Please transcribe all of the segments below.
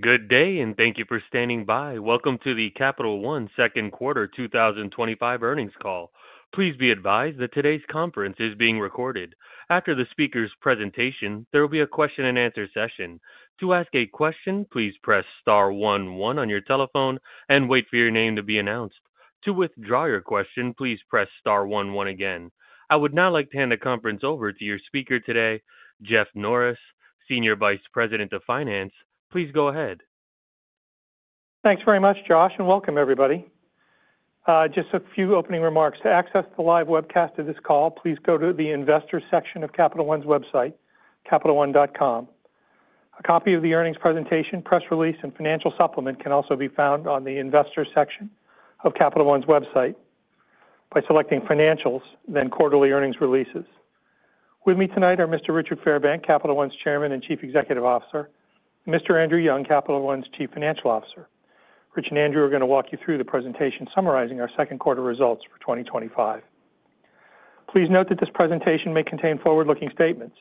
Good day, and thank you for standing by. Welcome to the Capital One Second Quarter 2025 earnings call. Please be advised that today's conference is being recorded. After the speaker's presentation, there will be a question-and-answer session. To ask a question, please press star one-one on your telephone and wait for your name to be announced. To withdraw your question, please press star one-one again. I would now like to hand the conference over to your speaker today, Jeff Norris, Senior Vice President of Finance. Please go ahead. Thanks very much, Josh, and welcome, everybody. Just a few opening remarks. To access the live webcast of this call, please go to the Investor section of Capital One's website, capitalone.com. A copy of the earnings presentation, press release, and financial supplement can also be found on the Investor section of Capital One's website by selecting Financials, then Quarterly Earnings Releases. With me tonight are Mr. Richard Fairbank, Capital One's Chairman and Chief Executive Officer, and Mr. Andrew Young, Capital One's Chief Financial Officer. Rich and Andrew are going to walk you through the presentation summarizing our second quarter results for 2025. Please note that this presentation may contain forward-looking statements,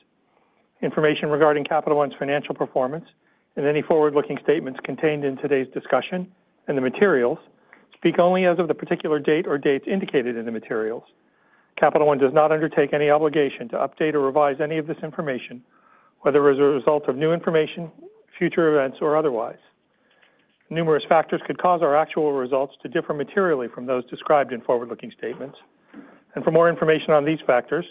information regarding Capital One's financial performance, and any forward-looking statements contained in today's discussion and the materials speak only as of the particular date or dates indicated in the materials. Capital One does not undertake any obligation to update or revise any of this information, whether as a result of new information, future events, or otherwise. Numerous factors could cause our actual results to differ materially from those described in forward-looking statements. For more information on these factors,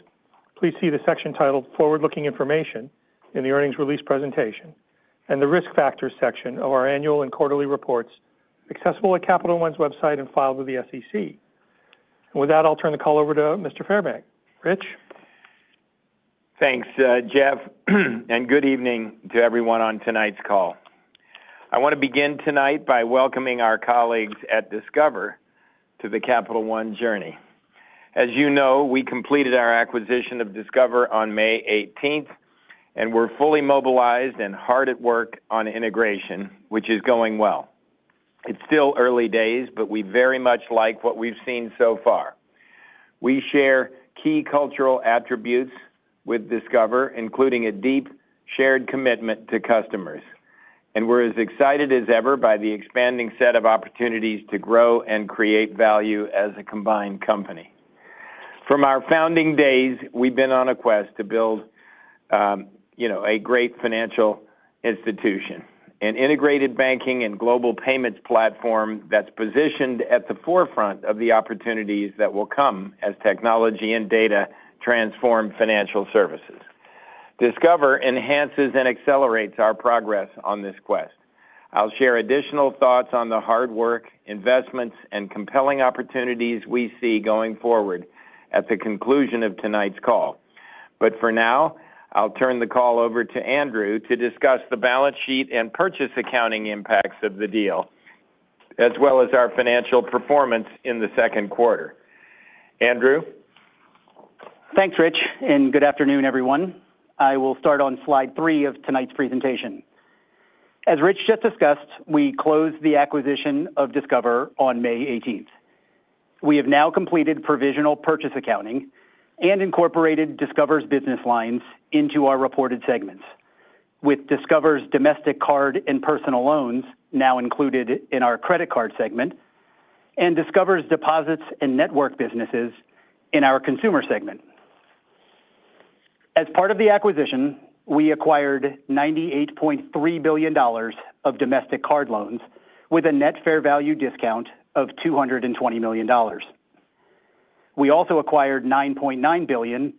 please see the section titled Forward-looking Information in the earnings release presentation and the Risk Factors section of our annual and quarterly reports accessible at Capital One's website and filed with the SEC. With that, I'll turn the call over to Mr. Fairbank. Rich? Thanks, Jeff, and good evening to everyone on tonight's call. I want to begin tonight by welcoming our colleagues at Discover to the Capital One journey. As you know, we completed our acquisition of Discover on May 18, and we're fully mobilized and hard at work on integration, which is going well. It's still early days, but we very much like what we've seen so far. We share key cultural attributes with Discover, including a deep, shared commitment to customers. We're as excited as ever by the expanding set of opportunities to grow and create value as a combined company. From our founding days, we've been on a quest to build a great financial institution, an integrated banking and global payments platform that's positioned at the forefront of the opportunities that will come as technology and data transform financial services. Discover enhances and accelerates our progress on this quest. I'll share additional thoughts on the hard work, investments, and compelling opportunities we see going forward at the conclusion of tonight's call. For now, I'll turn the call over to Andrew to discuss the balance sheet and purchase accounting impacts of the deal, as well as our financial performance in the second quarter. Andrew. Thanks, Rich, and good afternoon, everyone. I will start on slide three of tonight's presentation. As Rich just discussed, we closed the acquisition of Discover on May 18. We have now completed provisional purchase accounting and incorporated Discover's business lines into our reported segments, with Discover's domestic card and personal loans now included in our credit card segment. Discover's deposits and network businesses are in our consumer segment. As part of the acquisition, we acquired $98.3 billion of domestic card loans with a net fair value discount of $220 million. We also acquired $9.9 billion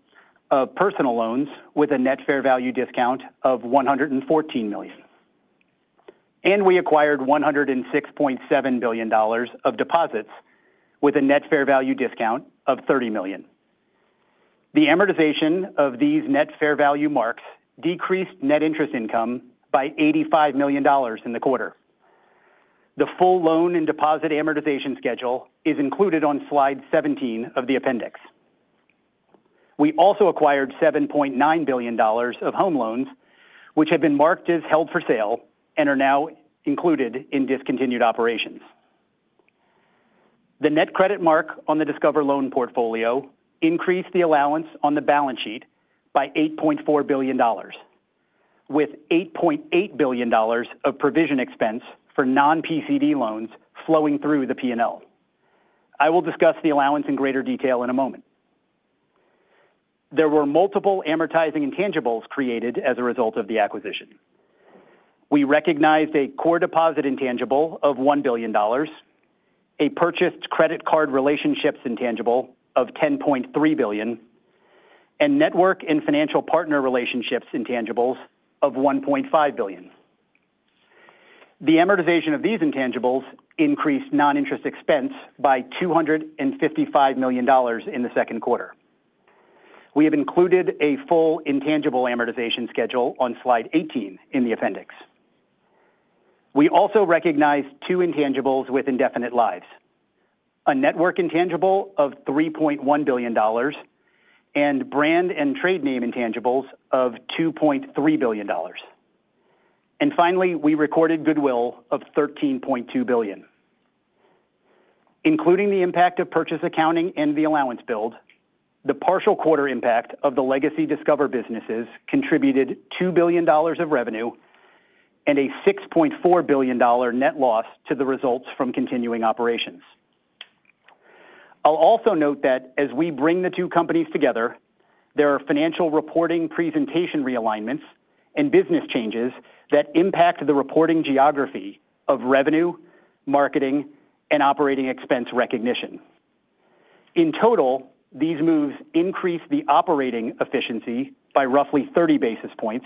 of personal loans with a net fair value discount of $114 million. We acquired $106.7 billion of deposits with a net fair value discount of $30 million. The amortization of these net fair value marks decreased net interest income by $85 million in the quarter. The full loan and deposit amortization schedule is included on slide 17 of the appendix. We also acquired $7.9 billion of home loans, which have been marked as held for sale and are now included in discontinued operations. The net credit mark on the Discover loan portfolio increased the allowance on the balance sheet by $8.4 billion, with $8.8 billion of provision expense for non-PCD loans flowing through the P&L. I will discuss the allowance in greater detail in a moment. There were multiple amortizing intangibles created as a result of the acquisition. We recognized a core deposit intangible of $1 billion, a purchased credit card relationships intangible of $10.3 billion, and network and financial partner relationships intangibles of $1.5 billion. The amortization of these intangibles increased non-interest expense by $255 million in the second quarter. We have included a full intangible amortization schedule on slide 18 in the appendix. We also recognized two intangibles with indefinite lives: a network intangible of $3.1 billion and brand and trade name intangibles of $2.3 billion. Finally, we recorded goodwill of $13.2 billion. Including the impact of purchase accounting and the allowance build, the partial quarter impact of the legacy Discover businesses contributed $2 billion of revenue and a $6.4 billion net loss to the results from continuing operations. I'll also note that as we bring the two companies together, there are financial reporting presentation realignments and business changes that impact the reporting geography of revenue, marketing, and operating expense recognition. In total, these moves increased the operating efficiency by roughly 30 basis points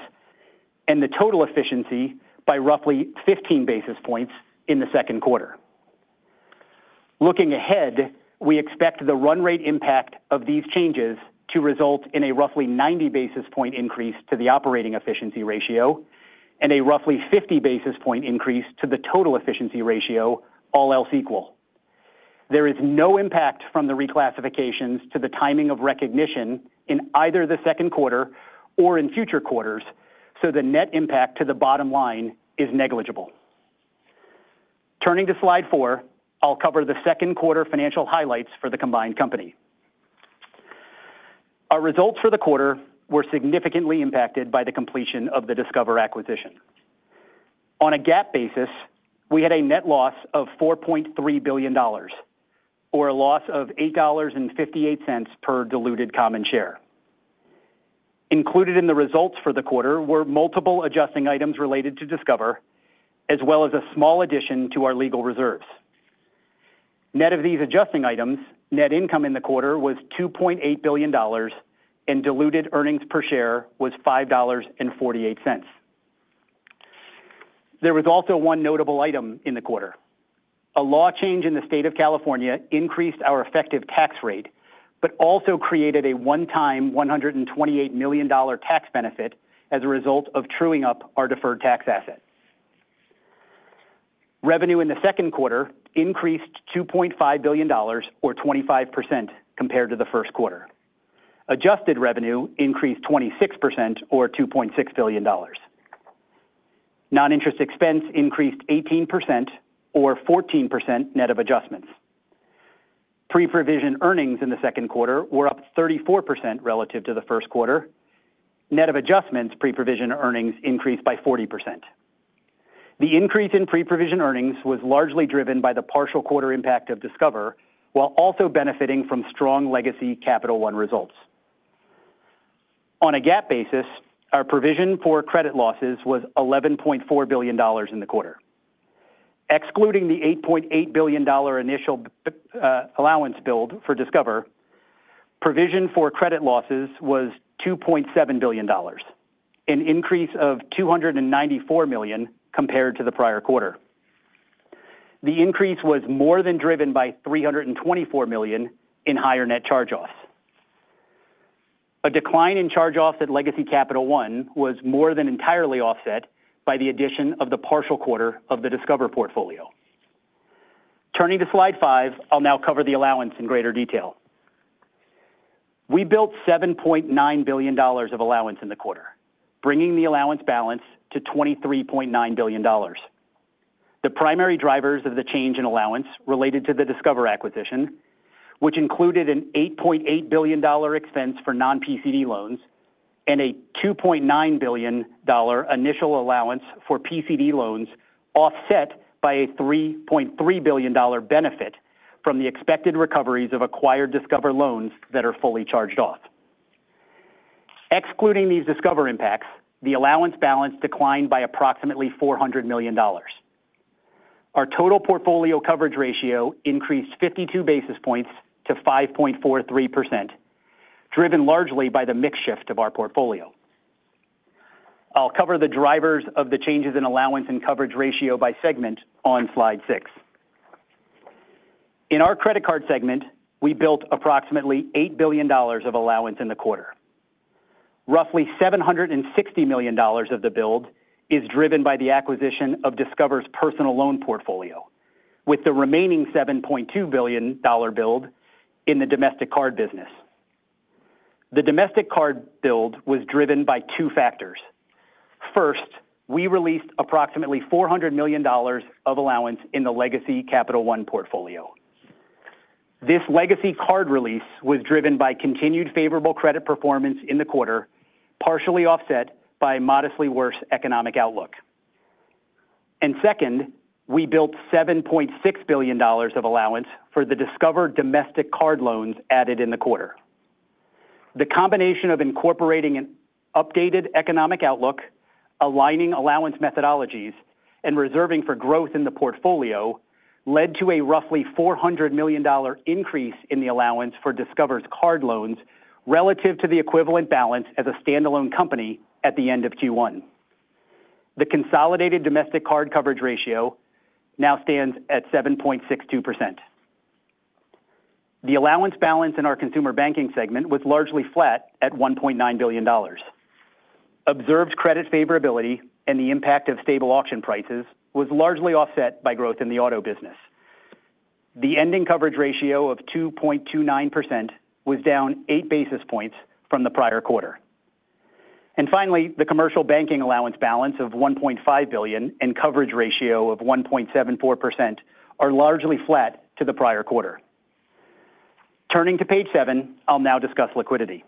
and the total efficiency by roughly 15 basis points in the second quarter. Looking ahead, we expect the run rate impact of these changes to result in a roughly 90 basis point increase to the operating efficiency ratio and a roughly 50 basis point increase to the total efficiency ratio, all else equal. There is no impact from the reclassifications to the timing of recognition in either the second quarter or in future quarters, so the net impact to the bottom line is negligible. Turning to slide four, I'll cover the second quarter financial highlights for the combined company. Our results for the quarter were significantly impacted by the completion of the Discover acquisition. On a GAAP basis, we had a net loss of $4.3 billion, or a loss of $8.58 per diluted common share. Included in the results for the quarter were multiple adjusting items related to Discover, as well as a small addition to our legal reserves. Net of these adjusting items, net income in the quarter was $2.8 billion, and diluted earnings per share was $5.48. There was also one notable item in the quarter. A law change in the state of California increased our effective tax rate, but also created a one-time $128 million tax benefit as a result of truing up our deferred tax asset. Revenue in the second quarter increased $2.5 billion, or 25%, compared to the first quarter. Adjusted revenue increased 26%, or $2.6 billion. Non-interest expense increased 18%, or 14% net of adjustments. Pre-provision earnings in the second quarter were up 34% relative to the first quarter. Net of adjustments, pre-provision earnings increased by 40%. The increase in pre-provision earnings was largely driven by the partial quarter impact of Discover, while also benefiting from strong legacy Capital One results. On a GAAP basis, our provision for credit losses was $11.4 billion in the quarter. Excluding the $8.8 billion initial allowance build for Discover, provision for credit losses was $2.7 billion, an increase of $294 million compared to the prior quarter. The increase was more than driven by $324 million in higher net charge-offs. A decline in charge-offs at legacy Capital One was more than entirely offset by the addition of the partial quarter of the Discover portfolio. Turning to slide five, I'll now cover the allowance in greater detail. We built $7.9 billion of allowance in the quarter, bringing the allowance balance to $23.9 billion. The primary drivers of the change in allowance related to the Discover acquisition, which included an $8.8 billion expense for non-PCD loans and a $2.9 billion initial allowance for PCD loans, offset by a $3.3 billion benefit from the expected recoveries of acquired Discover loans that are fully charged off. Excluding these Discover impacts, the allowance balance declined by approximately $400 million. Our total portfolio coverage ratio increased 52 basis points to 5.43%, driven largely by the mix shift of our portfolio. I'll cover the drivers of the changes in allowance and coverage ratio by segment on slide six. In our credit card segment, we built approximately $8 billion of allowance in the quarter. Roughly $760 million of the build is driven by the acquisition of Discover's personal loan portfolio, with the remaining $7.2 billion build in the domestic card business. The domestic card build was driven by two factors. First, we released approximately $400 million of allowance in the legacy Capital One portfolio. This legacy card release was driven by continued favorable credit performance in the quarter, partially offset by a modestly worse economic outlook. Second, we built $7.6 billion of allowance for the Discover domestic card loans added in the quarter. The combination of incorporating an updated economic outlook, aligning allowance methodologies, and reserving for growth in the portfolio led to a roughly $400 million increase in the allowance for Discover's card loans relative to the equivalent balance as a standalone company at the end of Q1. The consolidated domestic card coverage ratio now stands at 7.62%. The allowance balance in our consumer banking segment was largely flat at $1.9 billion. Observed credit favorability and the impact of stable auction prices was largely offset by growth in the auto business. The ending coverage ratio of 2.29% was down eight basis points from the prior quarter. Finally, the commercial banking allowance balance of $1.5 billion and coverage ratio of 1.74% are largely flat to the prior quarter. Turning to page seven, I'll now discuss liquidity.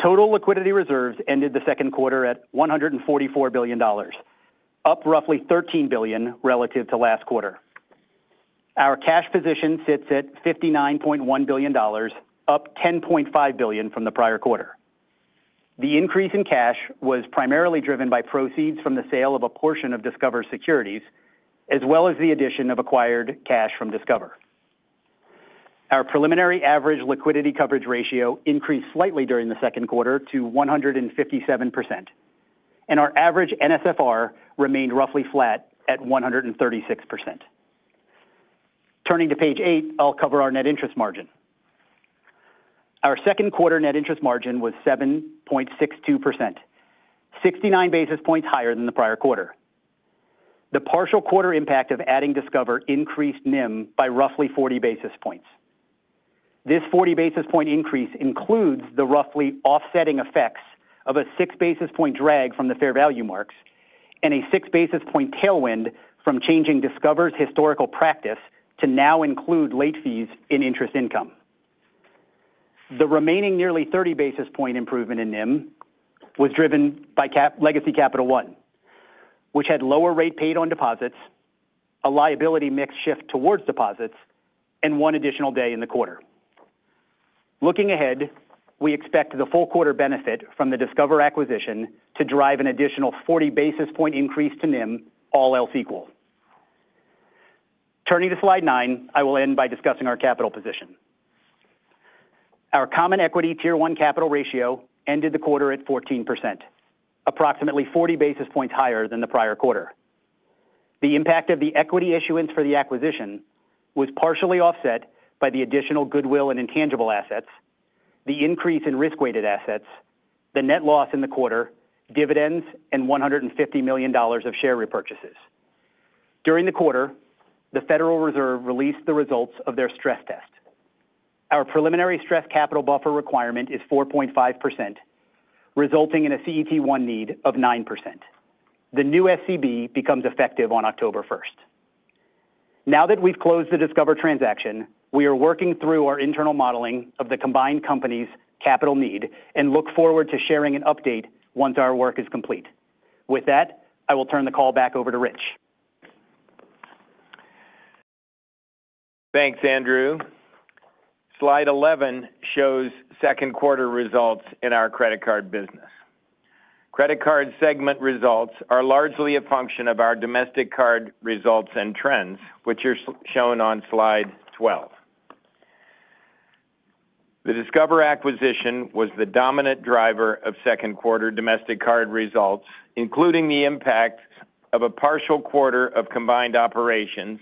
Total liquidity reserves ended the second quarter at $144 billion, up roughly $13 billion relative to last quarter. Our cash position sits at $59.1 billion, up $10.5 billion from the prior quarter. The increase in cash was primarily driven by proceeds from the sale of a portion of Discover's securities, as well as the addition of acquired cash from Discover. Our preliminary average liquidity coverage ratio increased slightly during the second quarter to 157%. Our average NSFR remained roughly flat at 136%. Turning to page eight, I'll cover our net interest margin. Our second quarter net interest margin was 7.62%, 69 basis points higher than the prior quarter. The partial quarter impact of adding Discover increased NIM by roughly 40 basis points. This 40 basis point increase includes the roughly offsetting effects of a six basis point drag from the fair value marks and a six basis point tailwind from changing Discover's historical practice to now include late fees in interest income. The remaining nearly 30 basis point improvement in NIM was driven by legacy Capital One, which had lower rate paid on deposits, a liability mix shift towards deposits, and one additional day in the quarter. Looking ahead, we expect the full quarter benefit from the Discover acquisition to drive an additional 40 basis point increase to NIM, all else equal. Turning to slide nine, I will end by discussing our capital position. Our Common Equity Tier 1 capital ratio ended the quarter at 14%, approximately 40 basis points higher than the prior quarter. The impact of the equity issuance for the acquisition was partially offset by the additional goodwill and intangible assets, the increase in risk-weighted assets, the net loss in the quarter, dividends, and $150 million of share repurchases. During the quarter, the Federal Reserve released the results of their stress test. Our preliminary stress capital buffer requirement is 4.5%, resulting in a CET1 need of 9%. The new SCB becomes effective on October 1. Now that we've closed the Discover transaction, we are working through our internal modeling of the combined company's capital need and look forward to sharing an update once our work is complete. With that, I will turn the call back over to Rich. Thanks, Andrew. Slide 11 shows second quarter results in our credit card business. Credit card segment results are largely a function of our domestic card results and trends, which are shown on slide 12. The Discover acquisition was the dominant driver of second quarter domestic card results, including the impact of a partial quarter of combined operations,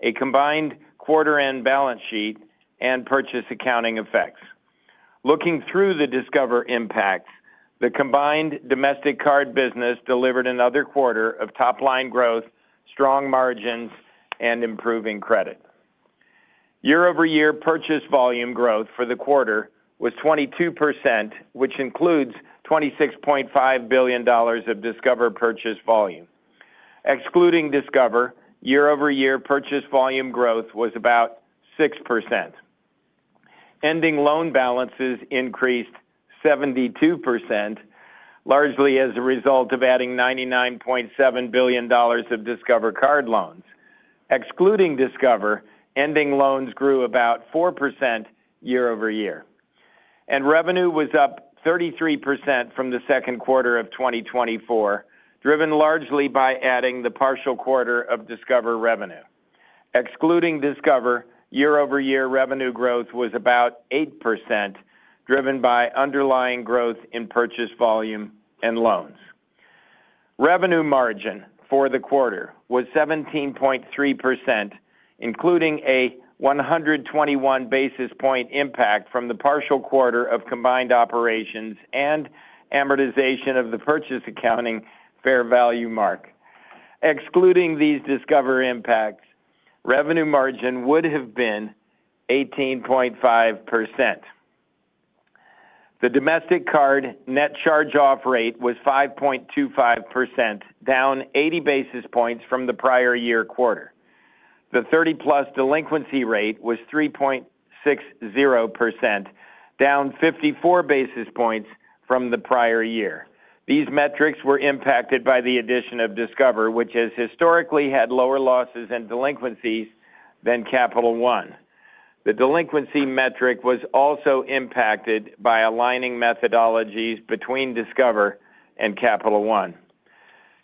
a combined quarter-end balance sheet, and purchase accounting effects. Looking through the Discover impacts, the combined domestic card business delivered another quarter of top-line growth, strong margins, and improving credit. Year-over-year purchase volume growth for the quarter was 22%, which includes $26.5 billion of Discover purchase volume. Excluding Discover, year-over-year purchase volume growth was about 6%. Ending loan balances increased 72%, largely as a result of adding $99.7 billion of Discover card loans. Excluding Discover, ending loans grew about 4% year-over-year. Revenue was up 33% from the second quarter of 2024, driven largely by adding the partial quarter of Discover revenue. Excluding Discover, year-over-year revenue growth was about 8%, driven by underlying growth in purchase volume and loans. Revenue margin for the quarter was 17.3%, including a 121 basis point impact from the partial quarter of combined operations and amortization of the purchase accounting fair value mark. Excluding these Discover impacts, revenue margin would have been 18.5%. The domestic card net charge-off rate was 5.25%, down 80 basis points from the prior year quarter. The 30+ delinquency rate was 3.60%, down 54 basis points from the prior year. These metrics were impacted by the addition of Discover, which has historically had lower losses and delinquencies than Capital One. The delinquency metric was also impacted by aligning methodologies between Discover and Capital One.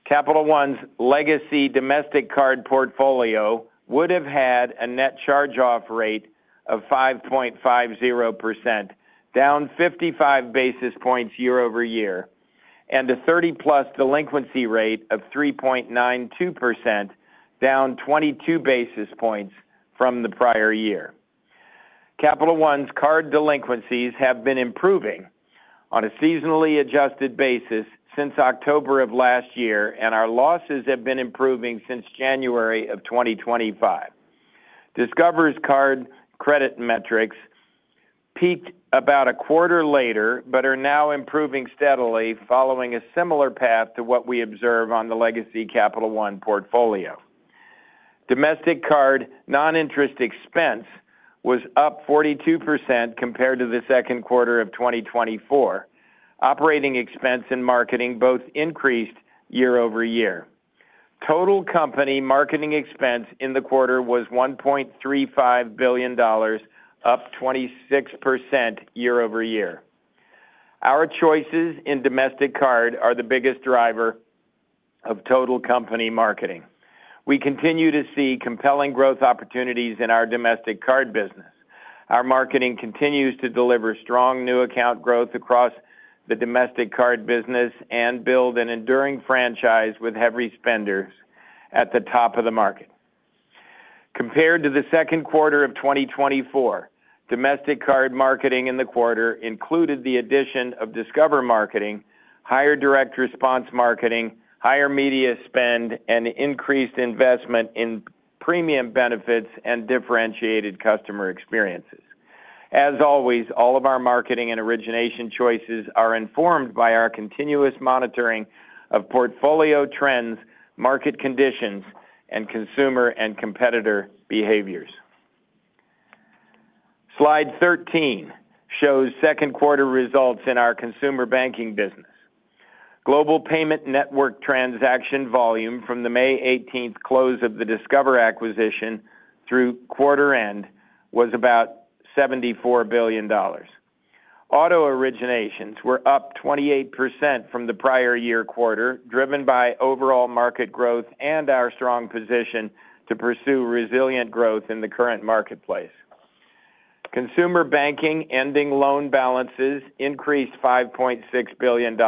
Capital One's legacy domestic card portfolio would have had a net charge-off rate of 5.50%, down 55 basis points year-over-year, and a 30+ delinquency rate of 3.92%, down 22 basis points from the prior year. Capital One's card delinquencies have been improving on a seasonally adjusted basis since October of last year, and our losses have been improving since January of 2025. Discover's card credit metrics peaked about a quarter later but are now improving steadily following a similar path to what we observe on the legacy Capital One portfolio. Domestic card non-interest expense was up 42% compared to the second quarter of 2024. Operating expense and marketing both increased year-over-year. Total company marketing expense in the quarter was $1.35 billion, up 26% year-over-year. Our choices in domestic card are the biggest driver of total company marketing. We continue to see compelling growth opportunities in our domestic card business. Our marketing continues to deliver strong new account growth across the domestic card business and build an enduring franchise with heavy spenders at the top of the market. Compared to the second quarter of 2024, domestic card marketing in the quarter included the addition of Discover marketing, higher direct response marketing, higher media spend, and increased investment in premium benefits and differentiated customer experiences. As always, all of our marketing and origination choices are informed by our continuous monitoring of portfolio trends, market conditions, and consumer and competitor behaviors. Slide 13 shows second quarter results in our consumer banking business. Global payment network transaction volume from the May 18th close of the Discover acquisition through quarter-end was about $74 billion. Auto originations were up 28% from the prior year quarter, driven by overall market growth and our strong position to pursue resilient growth in the current marketplace. Consumer banking ending loan balances increased $5.6 billion,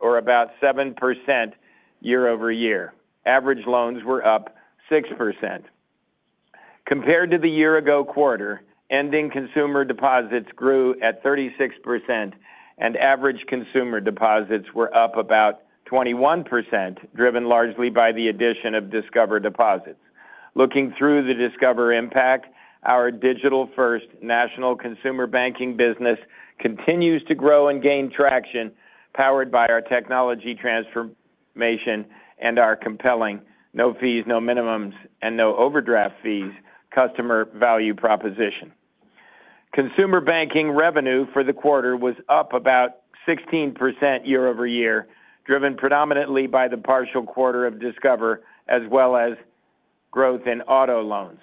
or about 7% year-over-year. Average loans were up 6%. Compared to the year-ago quarter, ending consumer deposits grew at 36%, and average consumer deposits were up about 21%, driven largely by the addition of Discover deposits. Looking through the Discover impact, our digital-first national consumer banking business continues to grow and gain traction, powered by our technology transformation and our compelling no-fees, no-minimums, and no-overdraft-fees customer value proposition. Consumer banking revenue for the quarter was up about 16% year-over-year, driven predominantly by the partial quarter of Discover as well as growth in auto loans.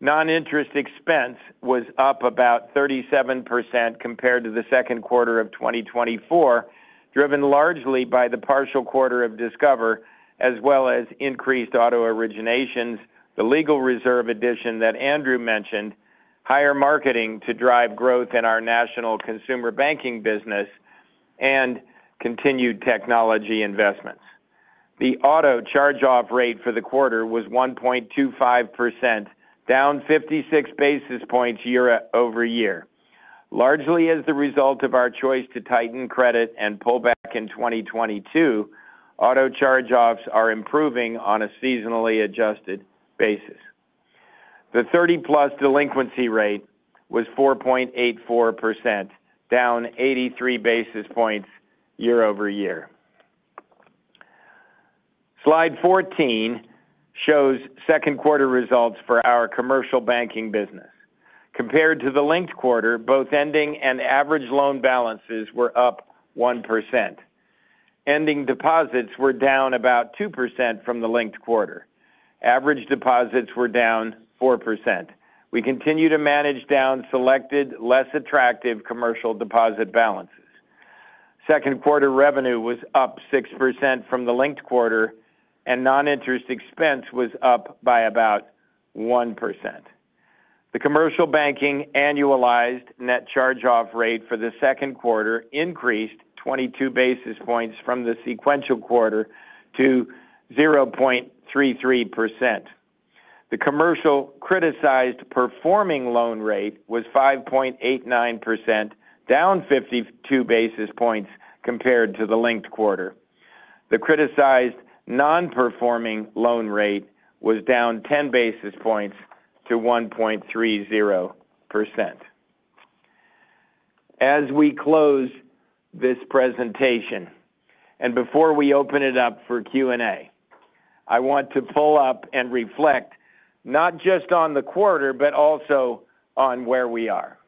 Non-interest expense was up about 37% compared to the second quarter of 2024, driven largely by the partial quarter of Discover as well as increased auto originations, the legal reserve addition that Andrew mentioned, higher marketing to drive growth in our national consumer banking business, and continued technology investments. The auto charge-off rate for the quarter was 1.25%, down 56 basis points year-over-year, largely as the result of our choice to tighten credit and pull back in 2022. Auto charge-offs are improving on a seasonally adjusted basis. The 30+ delinquency rate was 4.84%, down 83 basis points year-over-year. Slide 14 shows second quarter results for our commercial banking business. Compared to the linked quarter, both ending and average loan balances were up 1%. Ending deposits were down about 2% from the linked quarter. Average deposits were down 4%. We continue to manage down selected, less attractive commercial deposit balances. Second quarter revenue was up 6% from the linked quarter, and non-interest expense was up by about 1%. The commercial banking annualized net charge-off rate for the second quarter increased 22 basis points from the sequential quarter to 0.33%. The commercial criticized performing loan rate was 5.89%, down 52 basis points compared to the linked quarter. The criticized non-performing loan rate was down 10 basis points to 1.30%. As we close this presentation and before we open it up for Q&A, I want to pull up and reflect not just on the quarter but also on where we are.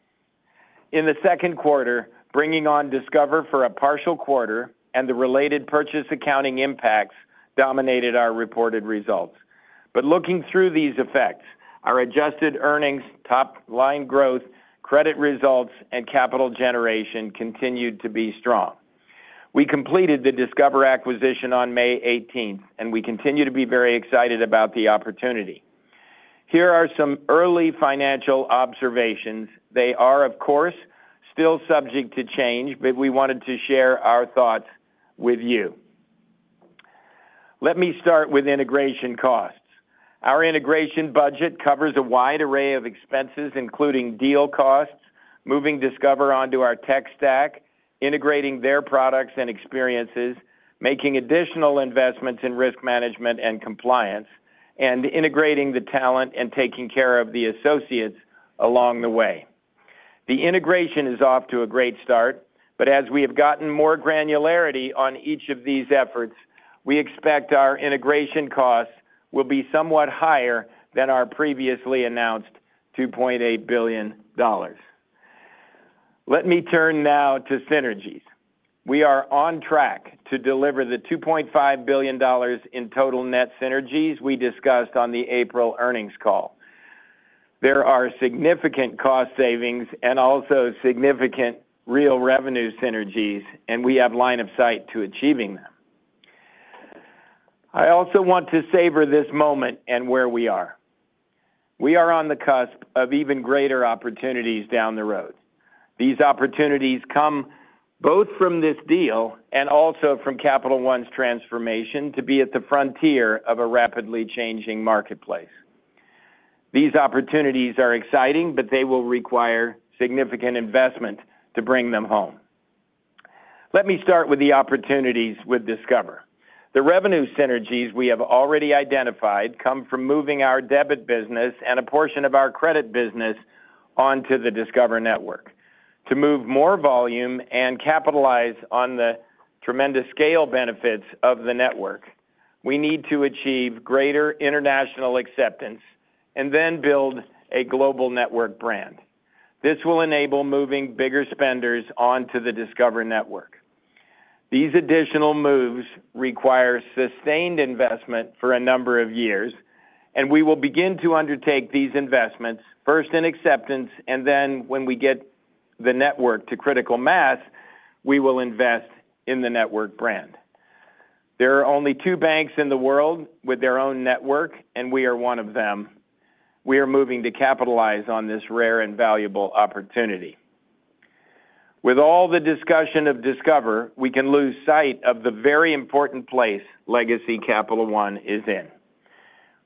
In the second quarter, bringing on Discover for a partial quarter and the related purchase accounting impacts dominated our reported results. Looking through these effects, our adjusted earnings, top-line growth, credit results, and capital generation continued to be strong. We completed the Discover acquisition on May 18th, and we continue to be very excited about the opportunity. Here are some early financial observations. They are, of course, still subject to change, but we wanted to share our thoughts with you. Let me start with integration costs. Our integration budget covers a wide array of expenses, including deal costs, moving Discover onto our tech stack, integrating their products and experiences, making additional investments in risk management and compliance, and integrating the talent and taking care of the associates along the way. The integration is off to a great start, but as we have gotten more granularity on each of these efforts, we expect our integration costs will be somewhat higher than our previously announced $2.8 billion. Let me turn now to synergies. We are on track to deliver the $2.5 billion in total net synergies we discussed on the April earnings call. There are significant cost savings and also significant real revenue synergies, and we have line of sight to achieving them. I also want to savor this moment and where we are. We are on the cusp of even greater opportunities down the road. These opportunities come both from this deal and also from Capital One's transformation to be at the frontier of a rapidly changing marketplace. These opportunities are exciting, but they will require significant investment to bring them home. Let me start with the opportunities with Discover. The revenue synergies we have already identified come from moving our debit business and a portion of our credit business onto the Discover Network. To move more volume and capitalize on the tremendous scale benefits of the network, we need to achieve greater international acceptance and then build a global network brand. This will enable moving bigger spenders onto the Discover Network. These additional moves require sustained investment for a number of years, and we will begin to undertake these investments first in acceptance, and then when we get the network to critical mass, we will invest in the network brand. There are only two banks in the world with their own network, and we are one of them. We are moving to capitalize on this rare and valuable opportunity. With all the discussion of Discover, we can lose sight of the very important place legacy Capital One is in.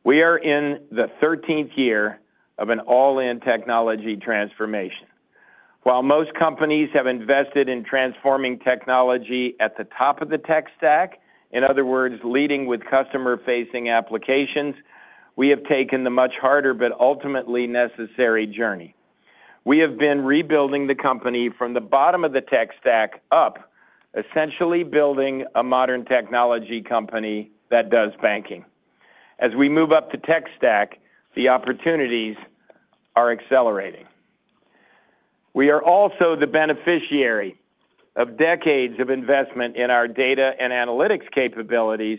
We are in the 13th year of an all-in technology transformation. While most companies have invested in transforming technology at the top of the tech stack, in other words, leading with customer-facing applications, we have taken the much harder but ultimately necessary journey. We have been rebuilding the company from the bottom of the tech stack up, essentially building a modern technology company that does banking. As we move up the tech stack, the opportunities are accelerating. We are also the beneficiary of decades of investment in our data and analytics capabilities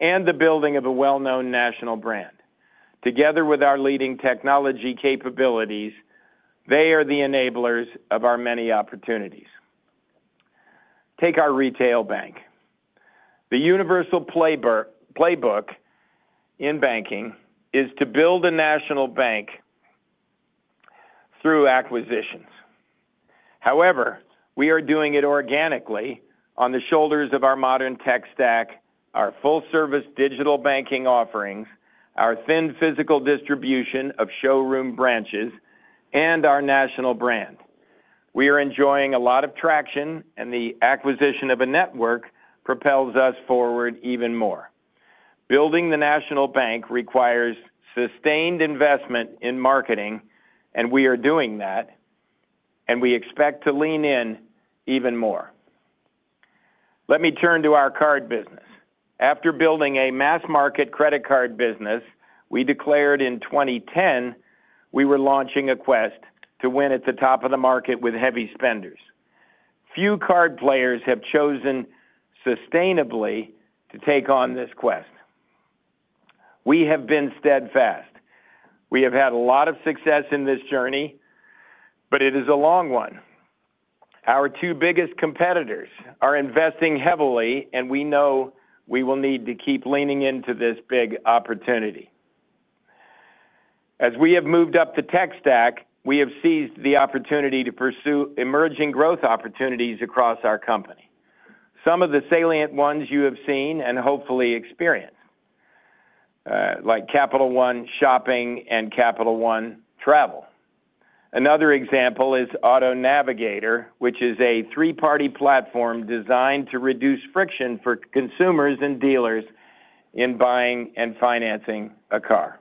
and the building of a well-known national brand. Together with our leading technology capabilities, they are the enablers of our many opportunities. Take our retail bank. The universal playbook in banking is to build a national bank through acquisitions. However, we are doing it organically on the shoulders of our modern tech stack, our full-service digital banking offerings, our thin physical distribution of showroom branches, and our national brand. We are enjoying a lot of traction, and the acquisition of a network propels us forward even more. Building the national bank requires sustained investment in marketing, and we are doing that. We expect to lean in even more. Let me turn to our card business. After building a mass-market credit card business, we declared in 2010 we were launching a quest to win at the top of the market with heavy spenders. Few card players have chosen sustainably to take on this quest. We have been steadfast. We have had a lot of success in this journey, but it is a long one. Our two biggest competitors are investing heavily, and we know we will need to keep leaning into this big opportunity. As we have moved up the tech stack, we have seized the opportunity to pursue emerging growth opportunities across our company. Some of the salient ones you have seen and hopefully experienced, like Capital One Shopping and Capital One Travel. Another example is Auto Navigator, which is a three-party platform designed to reduce friction for consumers and dealers in buying and financing a car.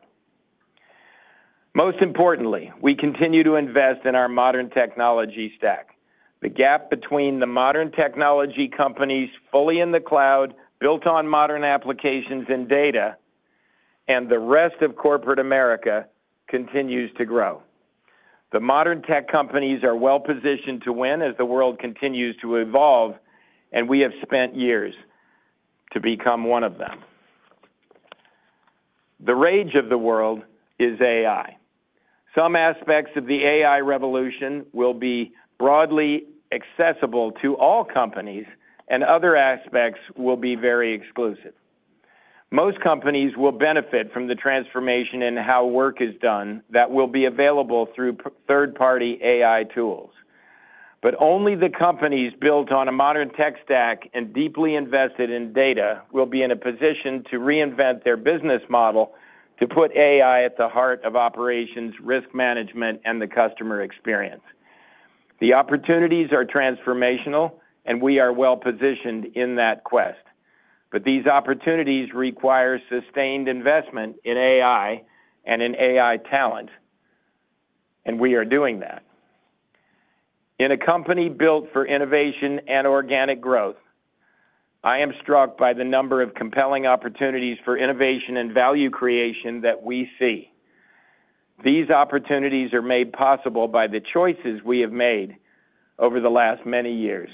Most importantly, we continue to invest in our modern technology stack. The gap between the modern technology companies fully in the cloud, built on modern applications and data, and the rest of corporate America continues to grow. The modern tech companies are well-positioned to win as the world continues to evolve, and we have spent years to become one of them. The rage of the world is AI. Some aspects of the AI revolution will be broadly accessible to all companies, and other aspects will be very exclusive. Most companies will benefit from the transformation in how work is done that will be available through third-party AI tools. Only the companies built on a modern tech stack and deeply invested in data will be in a position to reinvent their business model to put AI at the heart of operations, risk management, and the customer experience. The opportunities are transformational, and we are well-positioned in that quest. These opportunities require sustained investment in AI and in AI talent. We are doing that. In a company built for innovation and organic growth. I am struck by the number of compelling opportunities for innovation and value creation that we see. These opportunities are made possible by the choices we have made over the last many years.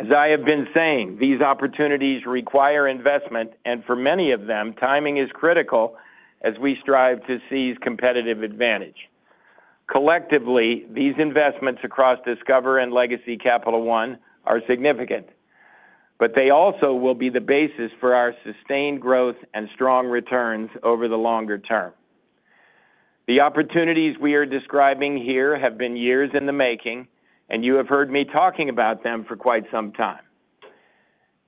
As I have been saying, these opportunities require investment, and for many of them, timing is critical as we strive to seize competitive advantage. Collectively, these investments across Discover and legacy Capital One are significant. They also will be the basis for our sustained growth and strong returns over the longer term. The opportunities we are describing here have been years in the making, and you have heard me talking about them for quite some time.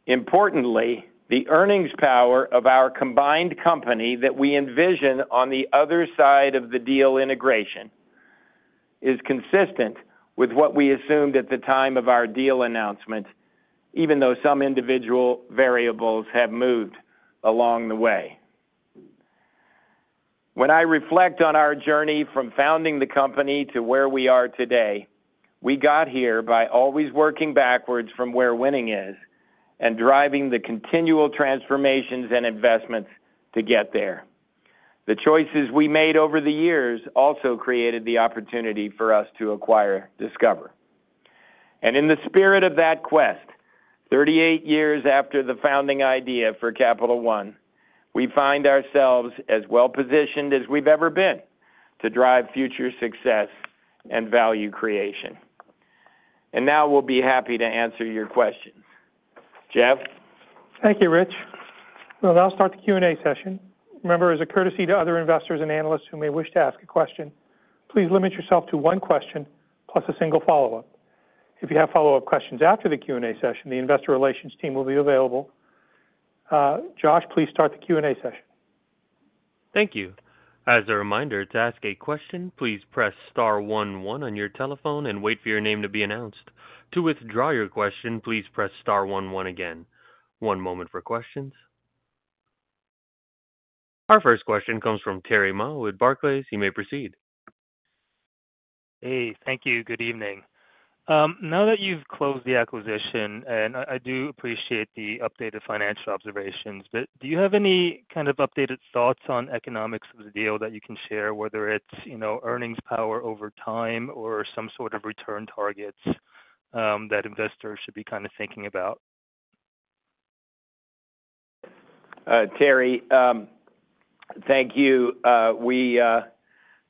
Importantly, the earnings power of our combined company that we envision on the other side of the deal integration is consistent with what we assumed at the time of our deal announcement, even though some individual variables have moved along the way. When I reflect on our journey from founding the company to where we are today, we got here by always working backwards from where winning is and driving the continual transformations and investments to get there. The choices we made over the years also created the opportunity for us to acquire Discover. In the spirit of that quest, 38 years after the founding idea for Capital One, we find ourselves as well-positioned as we have ever been to drive future success and value creation. Now we will be happy to answer your questions. Jeff. Thank you, Rich. Now I will start the Q&A session. Remember, as a courtesy to other investors and analysts who may wish to ask a question, please limit yourself to one question plus a single follow-up. If you have follow-up questions after the Q&A session, the investor relations team will be available. Josh, please start the Q&A session. Thank you. As a reminder, to ask a question, please press star one one on your telephone and wait for your name to be announced. To withdraw your question, please press star one one again. One moment for questions. Our first question comes from Terry Ma with Barclays. You may proceed. Hey, thank you. Good evening. Now that you have closed the acquisition, and I do appreciate the updated financial observations, do you have any kind of updated thoughts on economics of the deal that you can share, whether it is earnings power over time or some sort of return targets that investors should be thinking about? Terry. Thank you. We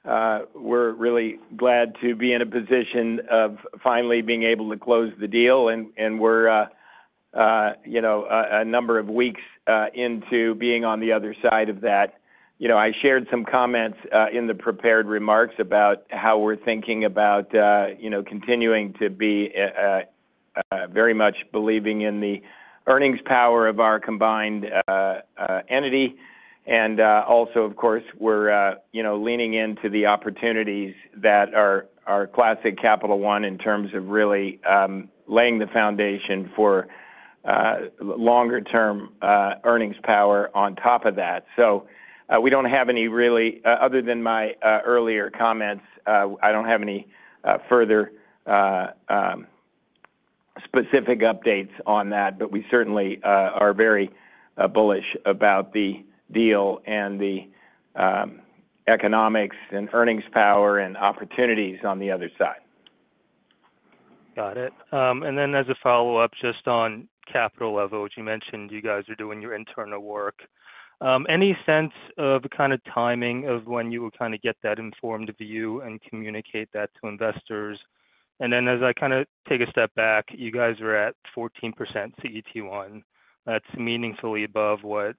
are really glad to be in a position of finally being able to close the deal, and we are a number of weeks into being on the other side of that. I shared some comments in the prepared remarks about how we are thinking about continuing to be very much believing in the earnings power of our combined entity. Also, of course, we are leaning into the opportunities that are classic Capital One in terms of really laying the foundation for longer-term earnings power on top of that. We do not have any really, other than my earlier comments, I do not have any further. Specific updates on that, but we certainly are very bullish about the deal and the economics and earnings power and opportunities on the other side. Got it. And then as a follow-up, just on capital level, as you mentioned, you guys are doing your internal work. Any sense of kind of timing of when you would kind of get that informed view and communicate that to investors? And then as I kind of take a step back, you guys are at 14% CET1. That's meaningfully above what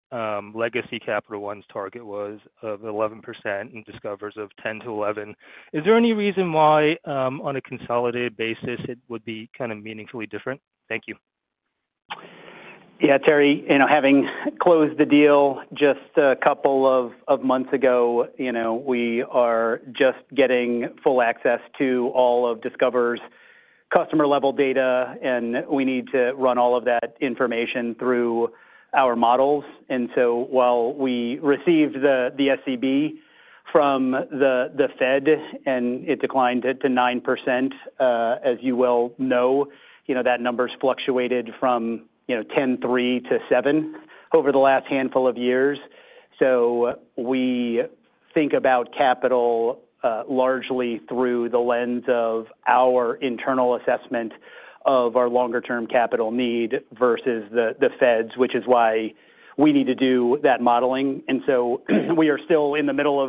legacy Capital One's target was of 11% and Discover's of 10-11%. Is there any reason why on a consolidated basis it would be kind of meaningfully different? Thank you. Yeah, Terry. Having closed the deal just a couple of months ago, we are just getting full access to all of Discover's customer-level data, and we need to run all of that information through our models. And so while we received the SCB from the Fed and it declined to 9%, as you well know, that number's fluctuated from 10.3% to 7% over the last handful of years. We think about capital largely through the lens of our internal assessment of our longer-term capital need versus the Fed's, which is why we need to do that modeling. We are still in the middle